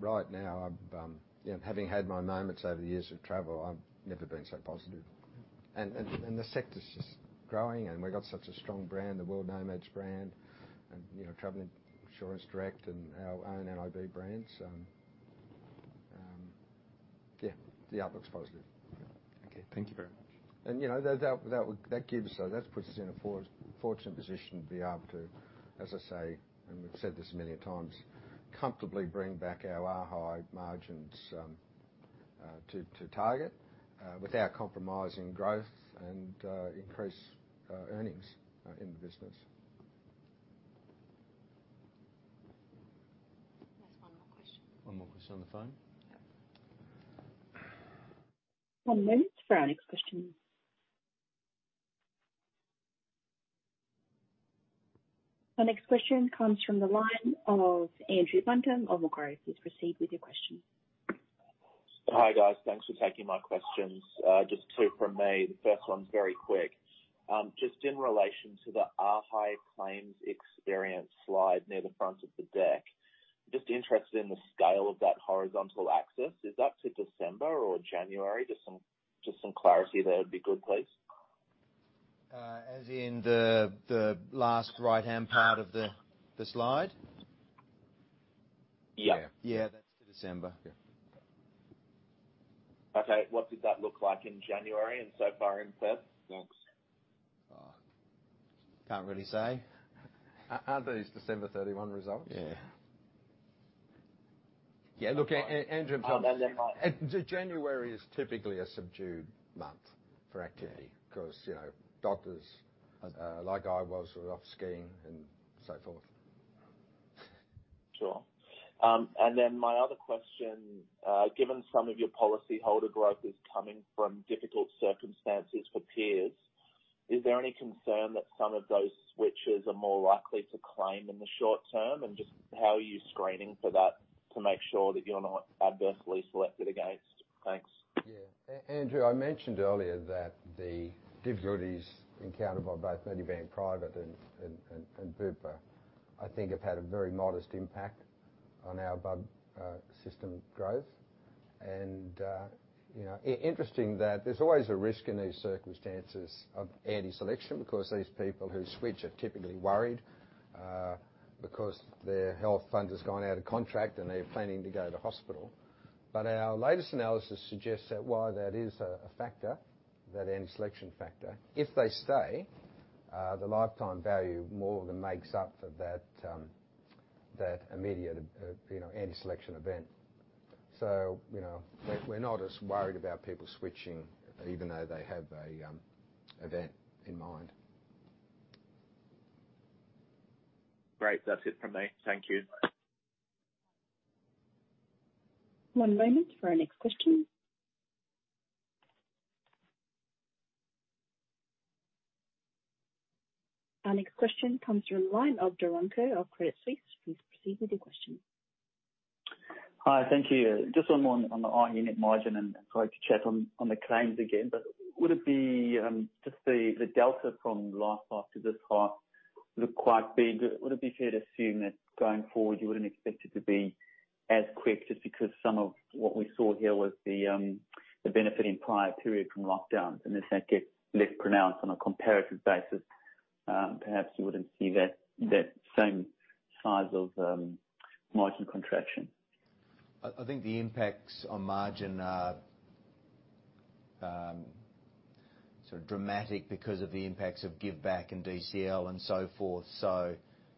Right now, I've, you know, having had my moments over the years with travel, I've never been so positive. The sector's just growing, and we've got such a strong brand, the World Nomads brand, and, you know, Travel Insurance Direct and our own nib brands. Yeah, the outlook's positive. Okay. Thank you very much. You know, that puts us in a fortunate position to be able to, as I say, and we've said this many times, comfortably bring back our high margins to target without compromising growth and increase earnings in the business. There's one more question. One more question on the phone. Yep. One moment for our next question. Our next question comes from the line of Andrew Buncombe of Macquarie. Please proceed with your question. Hi, guys. Thanks for taking my questions. Just two from me. The first one's very quick. Just in relation to the arhi claims experience slide near the front of the deck, just interested in the scale of that horizontal axis. Is that to December or January? Just some clarity there would be good, please. As in the last right-hand part of the slide? Yeah. Yeah, that's to December. Okay. What did that look like in January and so far in February? Thanks. Can't really say. Are these December 31 results? Yeah. Yeah. Look, Andrew. January is typically a subdued month for activity. You know, doctors, like I was off skiing and so forth. Sure. My other question, given some of your policyholder growth is coming from difficult circumstances for peers, is there any concern that some of those switches are more likely to claim in the short-term? Just how are you screening for that to make sure that you're not adversely selected against? Thanks. Yeah. Andrew, I mentioned earlier that the difficulties encountered by both Medibank Private and Bupa, I think have had a very modest impact on our book system growth. You know, interesting that there's always a risk in these circumstances of anti-selection because these people who switch are typically worried because their health fund has gone out of contract, and they're planning to go to hospital. Our latest analysis suggests that while that is a factor, that any selection factor, if they stay, the lifetime value more than makes up for that, you know, any selection event. You know, we're not as worried about people switching even though they have an event in mind. Great. That's it from me. Thank you. One moment for our next question. Our next question comes from the line of Doron Kur of Credit Suisse. Please proceed with your question. Hi. Thank you. Just one more on the high net margin, and sorry to chat on the claims again, but would it be, just the delta from last half to this half looked quite big. Would it be fair to assume that going forward, you wouldn't expect it to be as quick just because some of what we saw here was the benefit in prior period from lockdowns, and as that gets less pronounced on a comparative basis, perhaps you wouldn't see that same size of margin contraction? I think the impacts on margin are sort of dramatic because of the impacts of give back and DCL and so forth.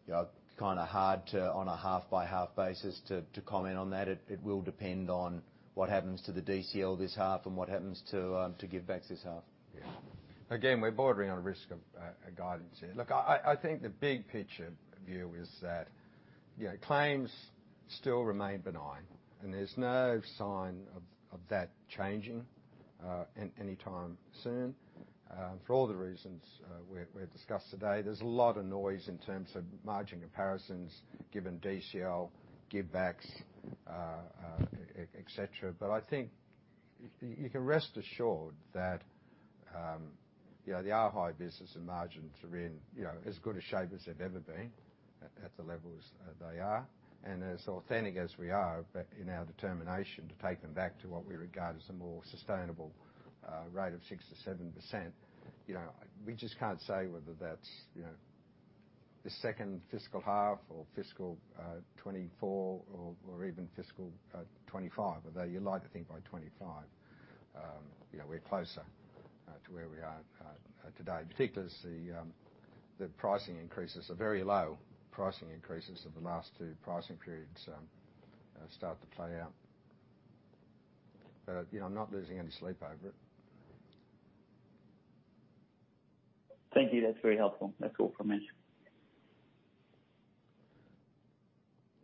You know, kind of hard to, on a half-by-half basis to comment on that. It will depend on what happens to the DCL this half and what happens to give backs this half. Again, we're bordering on risk of guidance here. I think the big picture view is that, you know, claims still remain benign, and there's no sign of that changing anytime soon, for all the reasons we've discussed today. There's a lot of noise in terms of margin comparisons, given DCL give backs, et cetera. I think you can rest assured that, you know, the arhi business and margins are in, you know, as good a shape as they've ever been at the levels they are. As authentic as we are, but in our determination to take them back to what we regard as a more sustainable 6%-7%, you know, we just can't say whether that's, you know, the second fiscal half or fiscal 2024 or even fiscal 2025. Although you'd like to think by 2025, you know, we're closer to where we are today. Particularly as the pricing increases are very low pricing increases of the last two pricing periods start to play out. You know, I'm not losing any sleep over it. Thank you. That's very helpful. That's all from me.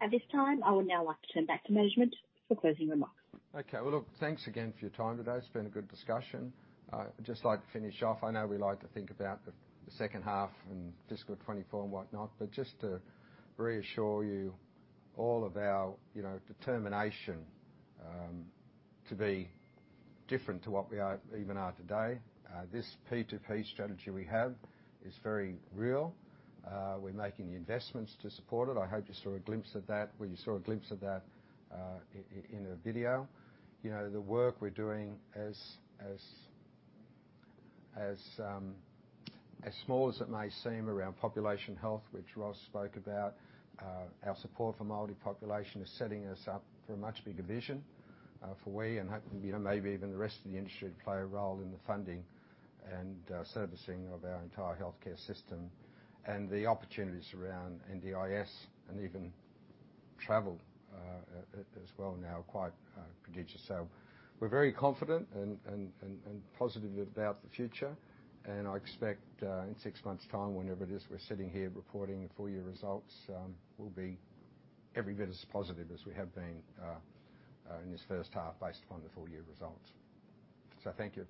At this time, I would now like to turn back to management for closing remarks. Okay. Well, look, thanks again for your time today. It's been a good discussion. Just like to finish off. I know we like to think about the second half and fiscal 2024 and whatnot, but just to reassure you all of our, you know, determination to be different to what we are even today. This P2P strategy we have is very real. We're making the investments to support it. I hope you saw a glimpse of that in the video. You know, the work we're doing as, as small as it may seem around population health, which Ros spoke about, our support for Māori population is setting us up for a much bigger vision for we and you know, maybe even the rest of the industry to play a role in the funding and servicing of our entire healthcare system and the opportunities around NDIS and even travel as well now are quite prodigious. We're very confident and positive about the future. I expect in six months' time, whenever it is, we're sitting here reporting the full year results, will be every bit as positive as we have been in this first half based upon the full year results. Thank you.